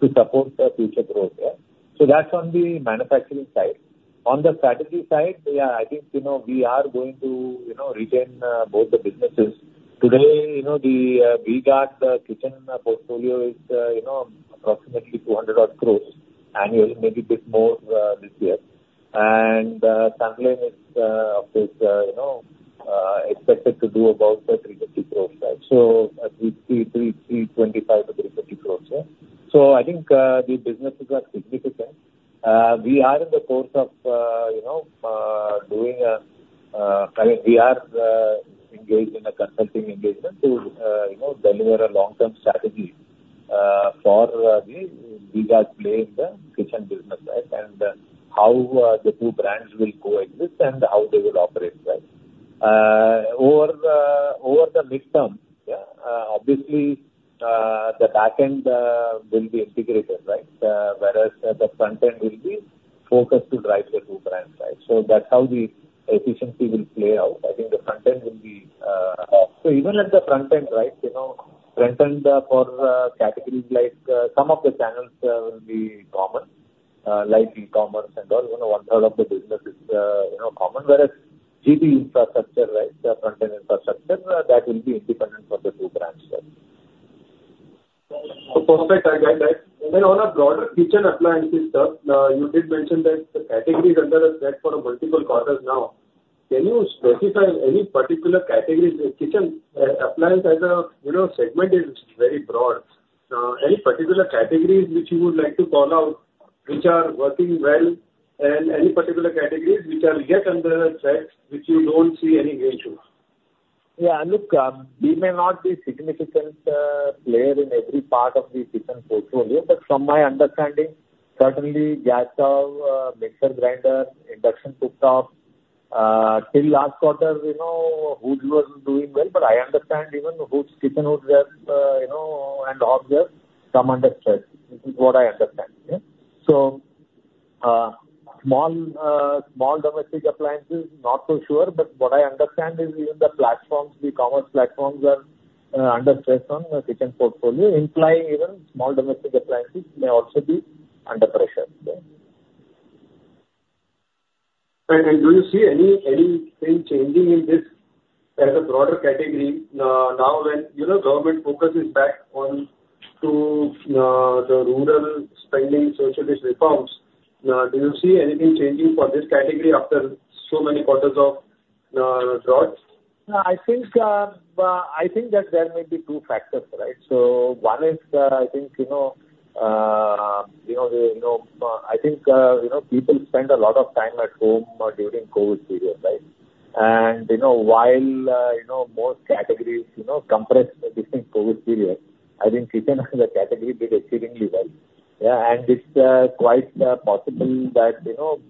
to support the future growth there. So that's on the manufacturing side. On the strategy side, yeah, I think, you know, we are going to, you know, retain both the businesses. Today, you know, the V-Guard kitchen portfolio is, you know, approximately 200 odd crores annual, maybe a bit more this year. And Sunflame is obviously you know expected to do about 350 crores, right? So we see 325-350 crores, yeah. So I think the businesses are significant. We are in the course of you know doing a, I mean, we are engaged in a consulting engagement to you know deliver a long-term strategy for the V-Guard play in the kitchen business, right? And how the two brands will coexist and how they will operate, right? Over the near term, obviously, the back end will be integrated, right? Whereas the front end will be focused to drive the two brands, right? So that's how the efficiency will play out. So even at the front end, right, you know, front end for categories like some of the channels will be common, like e-commerce and all. You know, 1/3 of the business is, you know, common, whereas GT infrastructure, right, the front end infrastructure that will be independent for the two brands then. So perfect, I get that. And then on a broader kitchen appliances stuff, you did mention that the categories under stress for multiple quarters now. Can you specify any particular categories? The kitchen appliance as a, you know, segment is very broad. Any particular categories which you would like to call out, which are working well, and any particular categories which are yet under stress, which you don't see any issues? Yeah, look, we may not be significant player in every part of the kitchen portfolio, but from my understanding, certainly gas stove, mixer grinder, induction cooktop, till last quarter, you know, hoods wasn't doing well, but I understand even the hoods, kitchen hoods are, you know, and ovens are come under stress. This is what I understand, yeah. So, small domestic appliances, not so sure, but what I understand is even the platforms, the commerce platforms are under stress on the kitchen portfolio, implying even small domestic appliances may also be under pressure, yeah. Right. And do you see anything changing in this as a broader category, now when, you know, government focus is back on to the rural spending socialist reforms, do you see anything changing for this category after so many quarters of drought? I think that there may be two factors, right? So one is, I think, you know, you know, you know, I think, you know, people spend a lot of time at home during COVID period, right? And, you know, while, you know, most categories, you know, compressed during COVID period, I think kitchen as a category did exceedingly well. Yeah, and it's quite possible that, you know,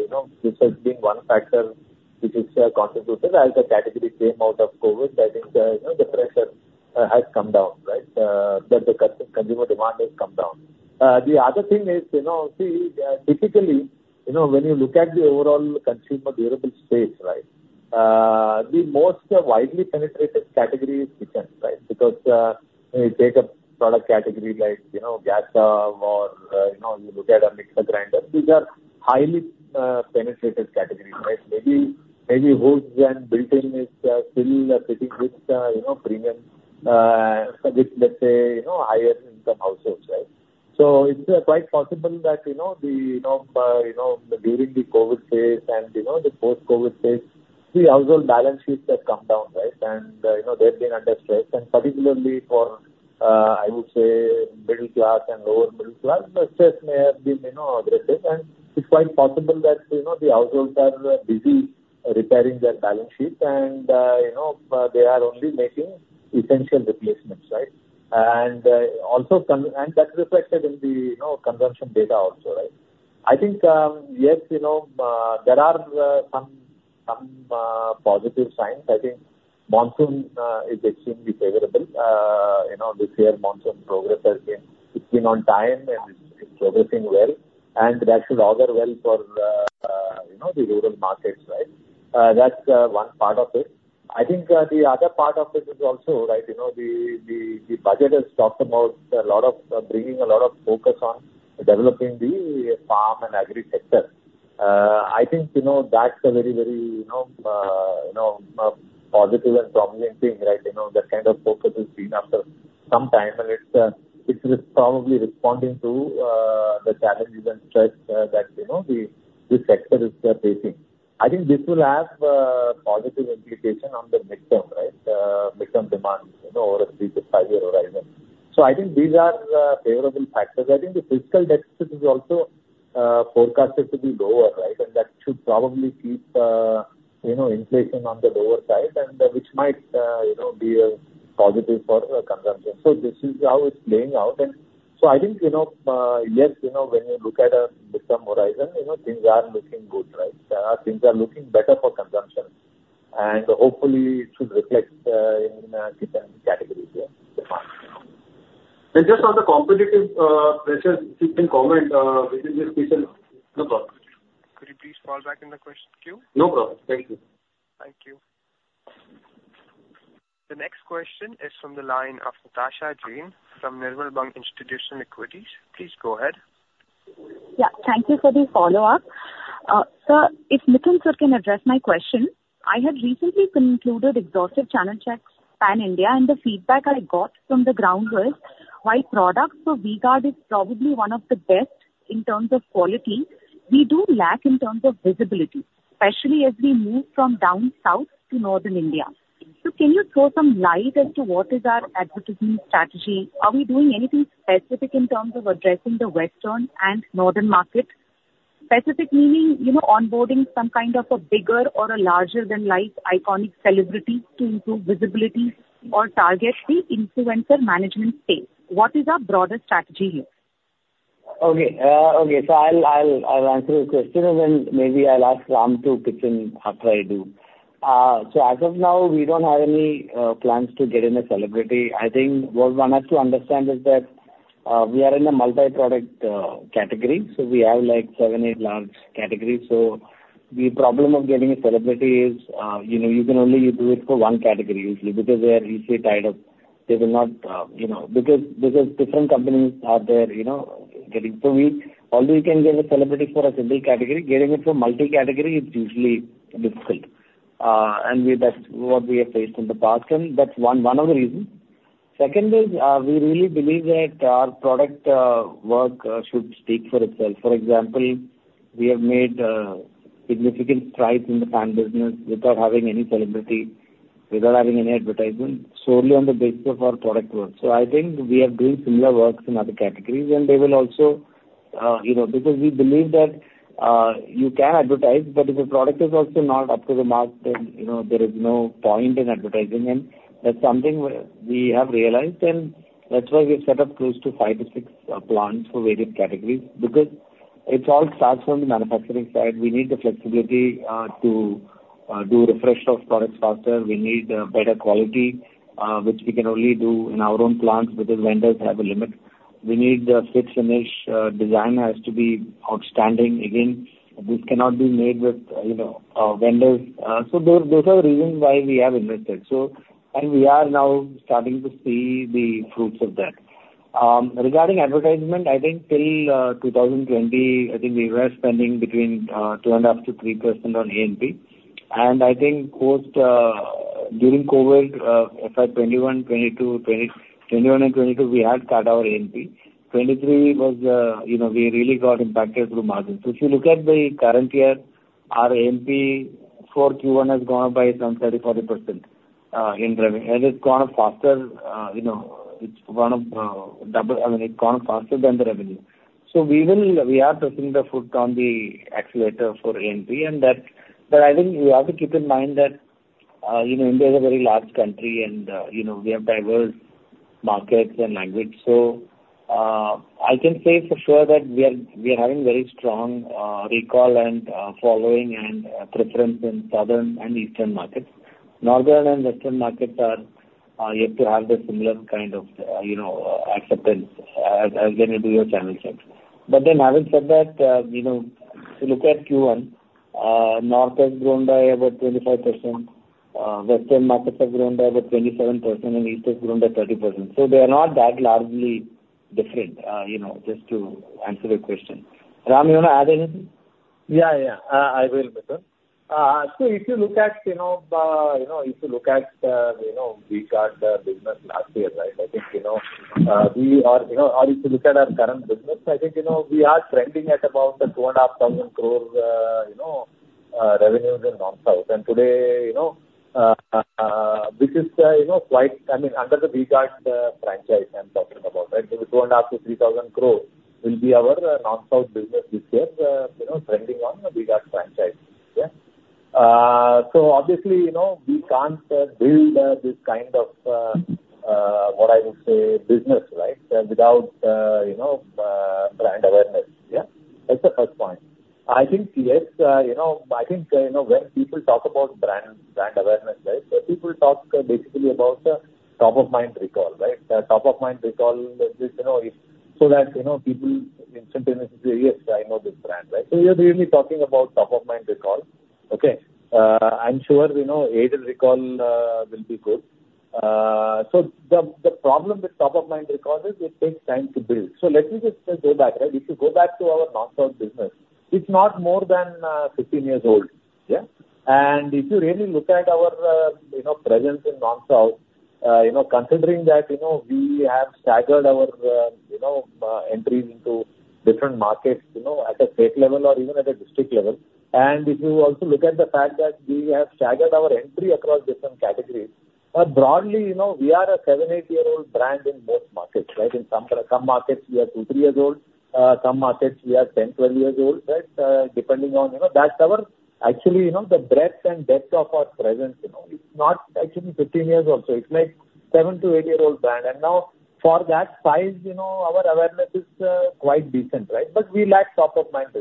you know, this has been one factor which has contributed. As the category came out of COVID, I think, you know, the pressure has come down, right? That the consumer demand has come down. The other thing is, you know, see, typically, you know, when you look at the overall consumer durable space, right, the most widely penetrated category is kitchen, right? Because, when you take a product category like, you know, gas stove or, you know, you look at a mixer-grinder, these are highly penetrated categories, right? Maybe, maybe hoods and built-in is still sitting with, you know, premium, with, let's say, you know, higher income households, right? So it's quite possible that, you know, the, you know, you know, during the COVID phase and, you know, the post-COVID phase, the household balance sheets have come down, right? And, you know, they've been under stress and particularly for, I would say middle class and lower middle class, the stress may have been, you know, aggressive. It's quite possible that, you know, the households are busy repairing their balance sheets, and, you know, they are only making essential replacements, right? That's reflected in the, you know, consumption data also, right? I think, yes, you know, there are some positive signs. I think monsoon is extremely favorable. You know, this year monsoon progress has been, it's been on time, and it's progressing well, and that should augur well for, you know, the rural markets, right? That's one part of it. I think the other part of it is also, right, you know, the budget has talked about a lot of bringing a lot of focus on developing the farm and agriculture. I think, you know, that's a very, very, you know, positive and prominent thing, right? You know, that kind of focus is seen after some time, and it's probably responding to the challenges and stress that, you know, this sector is facing. I think this will have positive implication on the midterm, right? Midterm demand, you know, over a three to five-year horizon. So I think these are favorable factors. I think the fiscal deficit is also forecasted to be lower, right? And that should probably keep, you know, inflation on the lower side and which might, you know, be a positive for consumption. So this is how it's playing out. And so I think, you know, yes, you know, when you look at a midterm horizon, you know, things are looking good, right? Things are looking better for consumption, and hopefully it should reflect in different categories here, the demand. Just on the competitive pressure, if you can comment within this kitchen lineup? Could you please fall back in the question queue? No problem. Thank you. Thank you. The next question is from the line of Natasha Jain, from Nirmal Bang Institutional Equities. Please go ahead. Yeah. Thank you for the follow-up. Sir, if Mithun sir can address my question. I had recently concluded exhaustive channel checks pan-India, and the feedback I got from the ground was, while products for V-Guard is probably one of the best in terms of quality, we do lack in terms of visibility, especially as we move from down South to Northern India. So can you throw some light as to what is our advertising strategy? Are we doing anything specific in terms of addressing the western and northern markets? Specific meaning, you know, onboarding some kind of a bigger or a larger-than-life iconic celebrity to improve visibility or target the influencer management space. What is our broader strategy here? Okay. Okay. So I'll answer the question, and then maybe I'll ask Ram to pitch in how to do. So as of now, we don't have any plans to get in a celebrity. I think what one has to understand is that we are in a multi-product category, so we have, like, seven, eight large categories. So the problem of getting a celebrity is, you know, you can only do it for one category usually, because they are easily tied up. They will not, you know, because different companies are there, you know, getting. So we, although you can get a celebrity for a single category, getting it for multi-category, it's usually difficult. And we. That's what we have faced in the past, and that's one of the reasons. Second is, we really believe that our product work should speak for itself. For example, we have made significant strides in the fan business without having any celebrity, without having any advertising, solely on the basis of our product work. So I think we are doing similar works in other categories, and they will also, you know, because we believe that, you can advertise, but if the product is also not up to the mark, then, you know, there is no point in advertising. And that's something we, we have realized, and that's why we've set up close to five to six plants for various categories. Because it all starts from the manufacturing side. We need the flexibility to do refresh of products faster. We need better quality, which we can only do in our own plants, because vendors have a limit. We need a fit and finish, design has to be outstanding. Again, this cannot be made with, you know, vendors. So those are the reasons why we have invested, so and we are now starting to see the fruits of that. Regarding advertisement, I think till 2020, I think we were spending between 2.5%-3% on A&P. ...And I think during COVID, FY 2021, 2022, 2023. FY 2021 and 2022, we had cut our A&P. 2023 was, you know, we really got impacted through margin. So if you look at the current year, our A&P for Q1 has gone up by some 30%-40% in revenue, and it's gone up faster, you know, it's gone up double, I mean, it's gone up faster than the revenue. So we will, we are pressing the foot on the accelerator for A&P and that. But I think we have to keep in mind that, you know, India is a very large country, and, you know, we have diverse markets and language. So, I can say for sure that we are having very strong recall and following and preference in southern and eastern markets. Northern and Western markets are yet to have the similar kind of, you know, acceptance as, as they may be your channel checks. But then having said that, you know, if you look at Q1, north has grown by about 25%, western markets have grown by about 27%, and east has grown by 30%. So they are not that largely different, you know, just to answer the question. Ram, you want to add anything? Yeah, yeah. I will, Mithun. So if you look at, you know, you know, if you look at, you know, we got the business last year, right? I think, you know, we are, you know, or if you look at our current business, I think, you know, we are trending at about 2,500 crores, you know, revenues in non-South. And today, you know, this is, you know, quite, I mean, under the V-Guard, franchise, I'm talking about, right? So the 2,500-3,000 crores will be our, non-South business this year, you know, trending on the V-Guard franchise. Yeah. So obviously, you know, we can't build this kind of what I would say business, right, without you know brand awareness. Yeah, that's the first point. I think, yes, you know, I think you know, when people talk about brand, brand awareness, right, so people talk basically about the top-of-mind recall, right? Top-of-mind recall is, you know, if so that, you know, people instantaneously say, "Yes, I know this brand," right? So we are really talking about top-of-mind recall. Okay? I'm sure you know aided recall will be good. So the problem with top-of-mind recall is it takes time to build. So let me just go back, right? If you go back to our non-South business, it's not more than 15 years old, yeah? If you really look at our, you know, presence in non-South, you know, considering that, you know, we have staggered our, you know, entries into different markets, you know, at a state level or even at a district level. If you also look at the fact that we have staggered our entry across different categories, broadly, you know, we are a seven to eight-year old brand in most markets, right? In some markets, we are two to three years old, some markets we are 10-12 years old, right? Depending on, you know, that's actually our, you know, the breadth and depth of our presence, you know. It's not actually 15 years old, so it's like seven to eight-year old brand. And now for that size, you know, our awareness is, quite decent, right? But we lack top-of-mind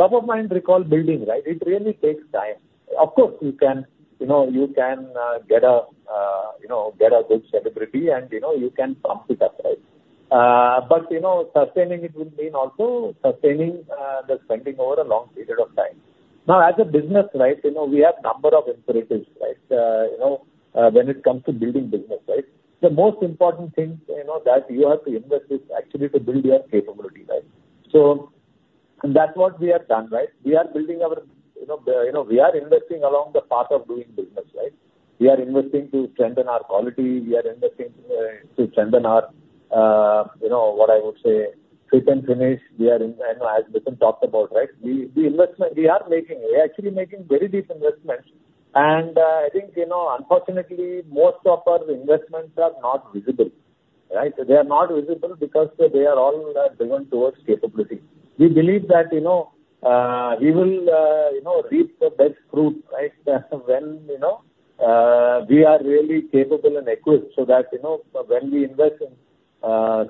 recall. Top-of-mind recall building, right? It really takes time. Of course, you can, you know, you can get a good celebrity and, you know, you can pump it up, right? But, you know, sustaining it will mean also sustaining the spending over a long period of time. Now, as a business, right, you know, we have number of imperatives, right? You know, when it comes to building business, right? The most important thing, you know, that you have to invest is actually to build your capability, right? So that's what we have done, right? We are building our... You know, you know, we are investing along the path of doing business, right? We are investing to strengthen our quality. We are investing to strengthen our, you know, what I would say, fit and finish. We are in, you know, as Mithun talked about, right? We are making, we are actually making very deep investments. I think, you know, unfortunately, most of our investments are not visible, right? They are not visible because they are all driven towards capability. We believe that, you know, we will, you know, reap the best fruit, right, when, you know, we are really capable and equipped so that, you know, so when we invest in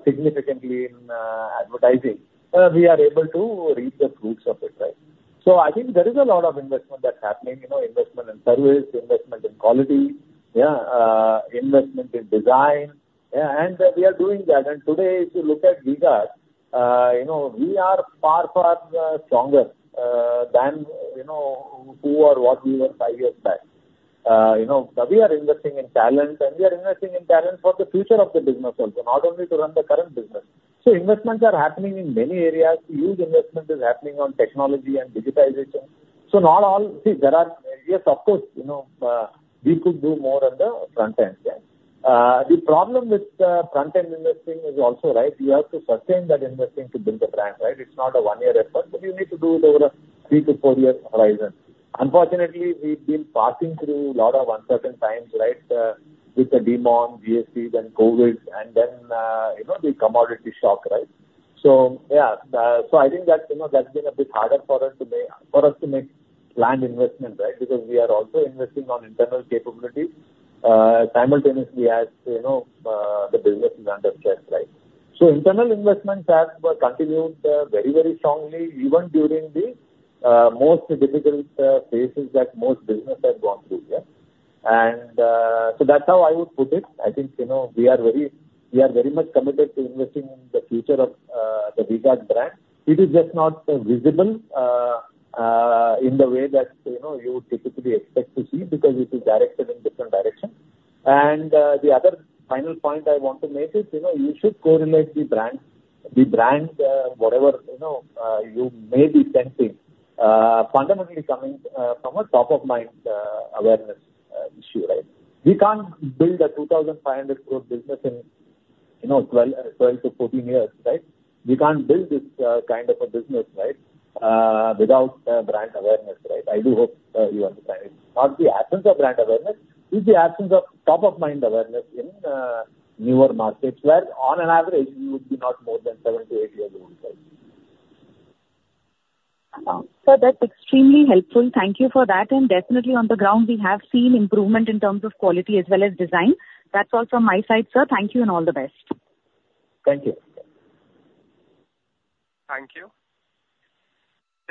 significantly in advertising, we are able to reap the fruits of it, right? So I think there is a lot of investment that's happening, you know, investment in service, investment in quality, yeah, investment in design, yeah, and we are doing that. And today, if you look at V-Guard, you know, we are far, far stronger than, you know, who or what we were five years back. You know, we are investing in talent, and we are investing in talent for the future of the business also, not only to run the current business. So investments are happening in many areas. Huge investment is happening on technology and digitization. So not all. See, there are, yes, of course, you know, we could do more on the front end. The problem with front-end investing is also, right, you have to sustain that investing to build a brand, right? It's not a one-year effort, but you need to do it over a three- to four-year horizon. Unfortunately, we've been passing through a lot of uncertain times, right, with the demonetization, GST, then COVID, and then, you know, the commodity shock, right? So, yeah, so I think that, you know, that's been a bit harder for us to make, for us to make planned investments, right? Because we are also investing on internal capabilities, simultaneously, as, you know, the business is under stress, right? So internal investments have continued, very, very strongly even during the most difficult phases that most businesses have gone through, yeah. So that's how I would put it. I think, you know, we are very, we are very much committed to investing in the future of the V-Guard brand. It is just not visible in the way that, you know, you would typically expect to see, because it is directed in different direction.... the other final point I want to make is, you know, you should correlate the brand. The brand, whatever, you know, you may be sensing, fundamentally coming from a top of mind awareness issue, right? We can't build an 2,500 crores business in, you know, 12-14 years, right? We can't build this kind of a business, right, without brand awareness, right? I do hope you understand it. Not the absence of brand awareness, it's the absence of top of mind awareness in newer markets, where on an average, we would be not more than seven to eight years old, right. Sir, that's extremely helpful. Thank you for that, and definitely on the ground we have seen improvement in terms of quality as well as design. That's all from my side, sir. Thank you, and all the best. Thank you. Thank you.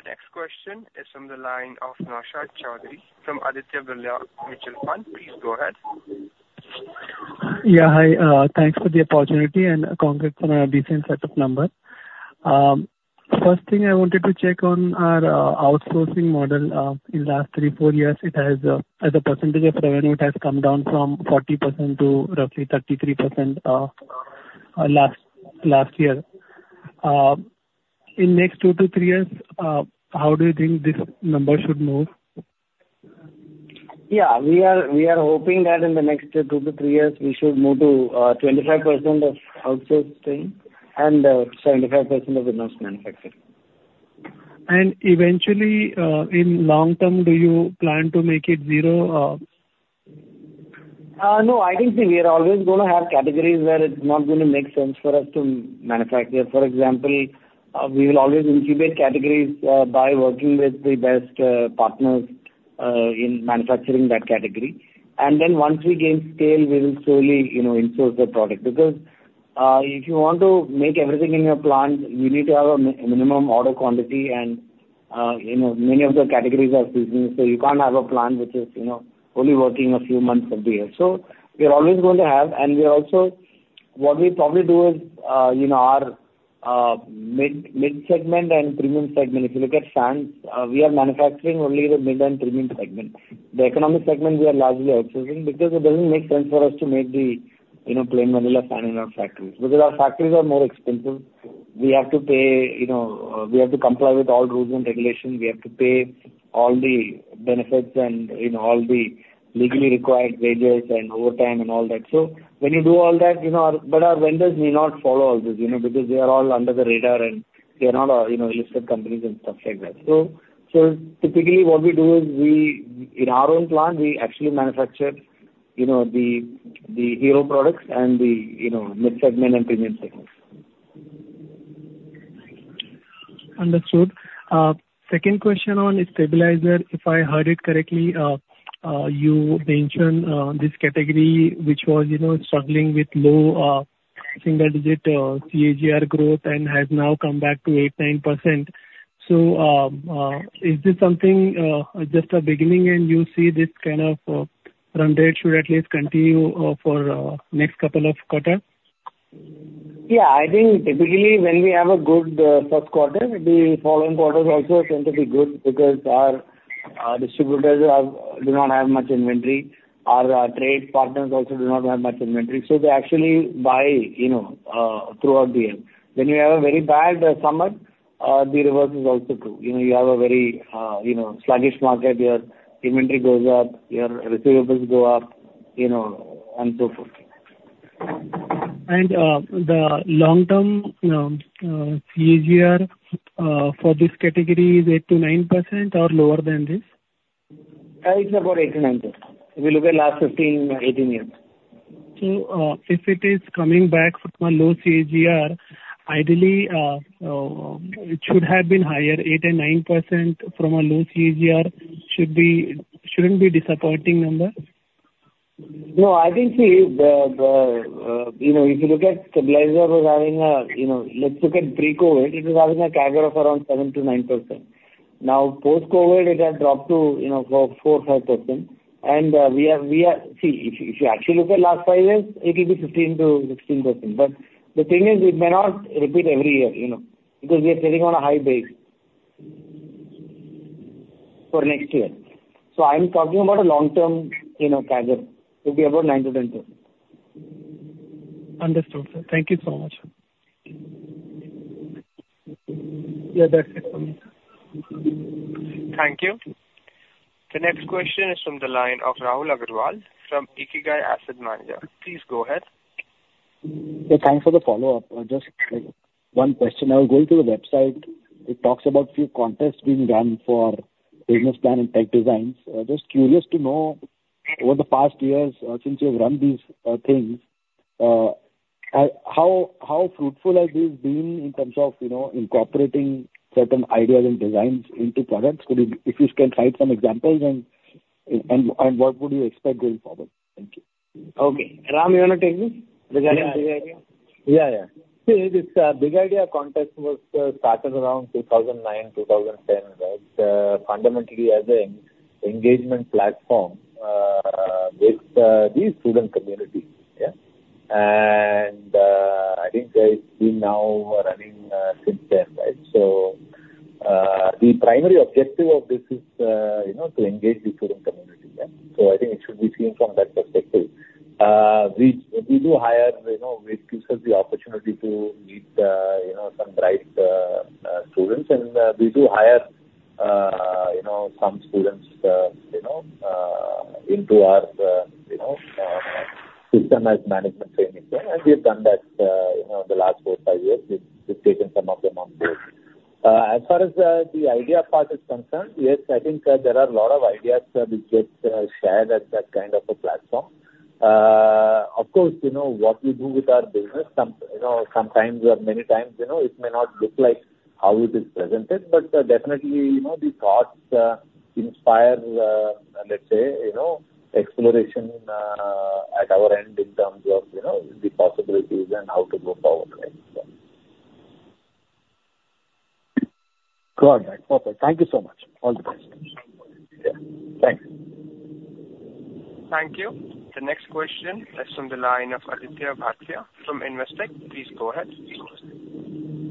The next question is from the line of Naushad Chaudhary from Aditya Birla Mutual Fund. Please go ahead. Yeah, hi. Thanks for the opportunity, and congrats on a decent set of numbers. First thing I wanted to check on our outsourcing model. In last 3 years, 4 years, it has, as a percentage of revenue, it has come down from 40% to roughly 33%, last year. In next two to three years, how do you think this number should move? Yeah, we are, we are hoping that in the next two to three years, we should move to 25% of outsourcing and 75% of in-house manufacturing. Eventually, in long term, do you plan to make it zero? No, I think we are always gonna have categories where it's not gonna make sense for us to manufacture. For example, we will always incubate categories by working with the best partners in manufacturing that category. And then once we gain scale, we will slowly, you know, in-source the product. Because if you want to make everything in your plant, you need to have a minimum order quantity, and you know, many of the categories are seasonal, so you can't have a plant which is, you know, only working a few months of the year. So we are always going to have, and we are also... What we probably do is, you know, our mid, mid segment and premium segment, if you look at fans, we are manufacturing only the mid and premium segment. The economic segment, we are largely outsourcing, because it doesn't make sense for us to make the, you know, plain vanilla fan in our factories. Because our factories are more expensive, we have to pay, you know, we have to comply with all rules and regulations. We have to pay all the benefits and, you know, all the legally required wages and overtime and all that. So when you do all that, you know, but our vendors may not follow all this, you know, because they are all under the radar and they are not, you know, listed companies and stuff like that. So typically, what we do is we, in our own plant, we actually manufacture, you know, the hero products and the, you know, mid-segment and premium segments. Understood. Second question on stabilizer, if I heard it correctly, you mentioned this category which was, you know, struggling with low single-digit CAGR growth and has now come back to 8%-9%. So, is this something just a beginning and you see this kind of trend that should at least continue for next couple of quarters? Yeah, I think typically, when we have a good first quarter, the following quarters also tend to be good because our distributors do not have much inventory. Our trade partners also do not have much inventory, so they actually buy, you know, throughout the year. When you have a very bad summer, the reverse is also true. You know, you have a very, you know, sluggish market, your inventory goes up, your receivables go up, you know, and so forth. The long-term CAGR for this category is 8%-9% or lower than this? It's about 8%-9%. If you look at last 15 years-18 years. So, if it is coming back from a low CAGR, ideally, it should have been higher. 8% and 9% from a low CAGR shouldn't be disappointing number? No, I think, see, the stabilizer was having a, you know, let's look at pre-COVID, it was having a CAGR of around 7%-9%. Now, post-COVID, it has dropped to, you know, 4%-5%. And we are... See, if you actually look at last five years, it will be 15%-16%. But the thing is, it may not repeat every year, you know, because we are sitting on a high base for next year. So I'm talking about a long-term, you know, CAGR, it will be about 9%-10%. Understood, sir. Thank you so much. Yeah, that's it for me. Thank you. The next question is from the line of Rahul Agarwal from IKIGAI Asset Manager. Please go ahead. Yeah, thanks for the follow-up. Just one question. I was going through the website, it talks about few contests being run for business plan and tech designs. Just curious to know, over the past years, since you have run these things, how fruitful has this been in terms of, you know, incorporating certain ideas and designs into products? Could you? If you can cite some examples, and what would you expect going forward? Thank you. Okay. Ram, you want to take this, the Big Idea? Yeah, yeah. See, this Big Idea contest was started around 2009, 2010, right? Fundamentally as an engagement platform with the student community, yeah? And-... I think, we now are running, since then, right? So, the primary objective of this is, you know, to engage the student community, yeah. So I think it should be seen from that perspective. We, we do hire, you know, it gives us the opportunity to meet, you know, some bright, students, and, we do hire, you know, some students, you know, into our, you know, system as management training, and we've done that, you know, in the last four, five years. We've, we've taken some of them on board. As far as, the idea part is concerned, yes, I think, there are a lot of ideas, which get, shared at that kind of a platform. Of course, you know, what we do with our business, you know, sometimes or many times, you know, it may not look like how it is presented, but, definitely, you know, the thoughts inspire, let's say, you know, exploration at our end in terms of, you know, the possibilities and how to move forward, right? Got that. Okay, thank you so much. All the best. Yeah. Thanks. Thank you. The next question is from the line of Aditya Bhartia from Investec. Please go ahead.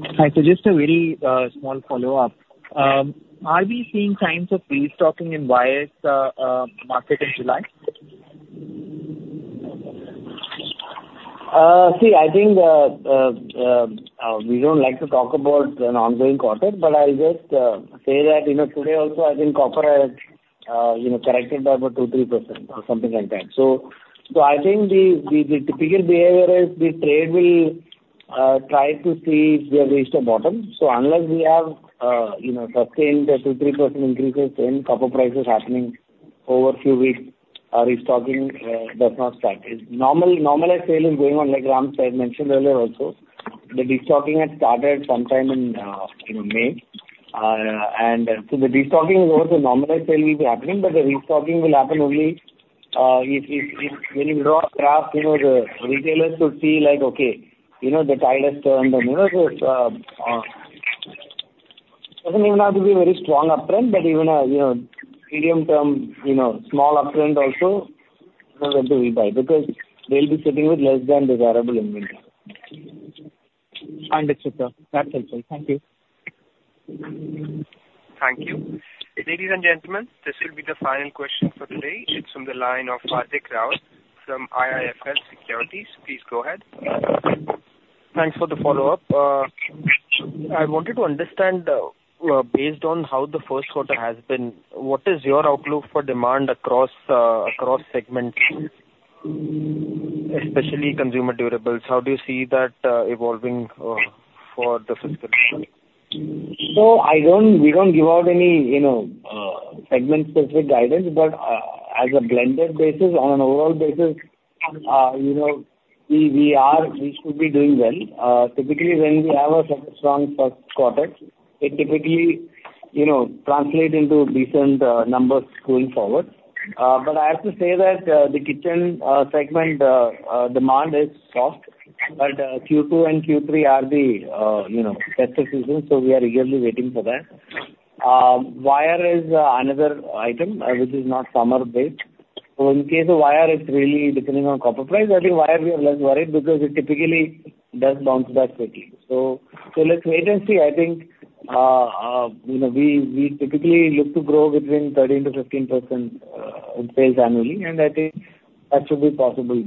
Hi. So just a very small follow-up. Are we seeing signs of restocking in wires market in July? See, I think, we don't like to talk about an ongoing quarter, but I'll just say that, you know, today also, I think copper has, you know, corrected about 2%-3% or something like that. So I think the typical behavior is the trade will try to see if we have reached a bottom. So unless we have, you know, sustained a 2%-3% increases in copper prices happening over a few weeks, our restocking does not start. It's normal, normalized sale is going on, like Ram said, mentioned earlier also. The destocking had started sometime in May. And so the destocking is over, the normalized sale is happening, but the restocking will happen only if, when you draw a graph, you know, the retailers will see like, okay, you know, the tide has turned, and you know, so it doesn't even have to be a very strong uptrend, but even a medium-term, you know, small uptrend also, you know, that they will buy, because they'll be sitting with less than desirable inventory. Understood, sir. That's it. Thank you. Thank you. Ladies and gentlemen, this will be the final question for today. It's from the line of Hardik Rawat from IIFL Securities. Please go ahead. Thanks for the follow-up. I wanted to understand, based on how the first quarter has been, what is your outlook for demand across, across segments, especially Consumer Durables? How do you see that, evolving, for the fifth quarter? So we don't give out any, you know, segment-specific guidance, but as a blended basis, on an overall basis, you know, we are, we should be doing well. Typically, when we have a super strong first quarter, it typically, you know, translate into decent numbers going forward. But I have to say that the kitchen segment demand is soft, but Q2 and Q3 are the, you know, better seasons, so we are eagerly waiting for that. Wire is another item which is not summer-based. So in case of wire, it's really depending on copper price. I think wire we are less worried because it typically does bounce back quickly. So let's wait and see. I think, you know, we typically look to grow between 13%-15% in sales annually, and I think that should be possible.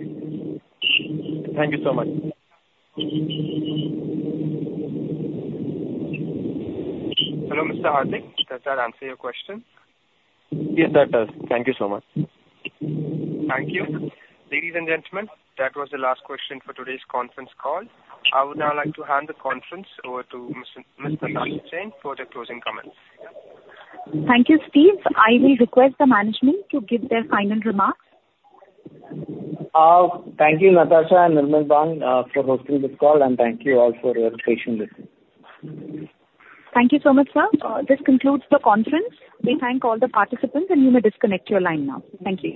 Thank you so much. Hello, Mr. Hardik. Does that answer your question? Yes, that does. Thank you so much. Thank you. Ladies and gentlemen, that was the last question for today's conference call. I would now like to hand the conference over to Ms. Natasha Jain for the closing comments. Thank you, Steve. I will request the management to give their final remarks. Thank you, Natasha and Nirmal Bang, for hosting this call, and thank you all for your patient listening. Thank you so much, sir. This concludes the conference. We thank all the participants, and you may disconnect your line now. Thank you.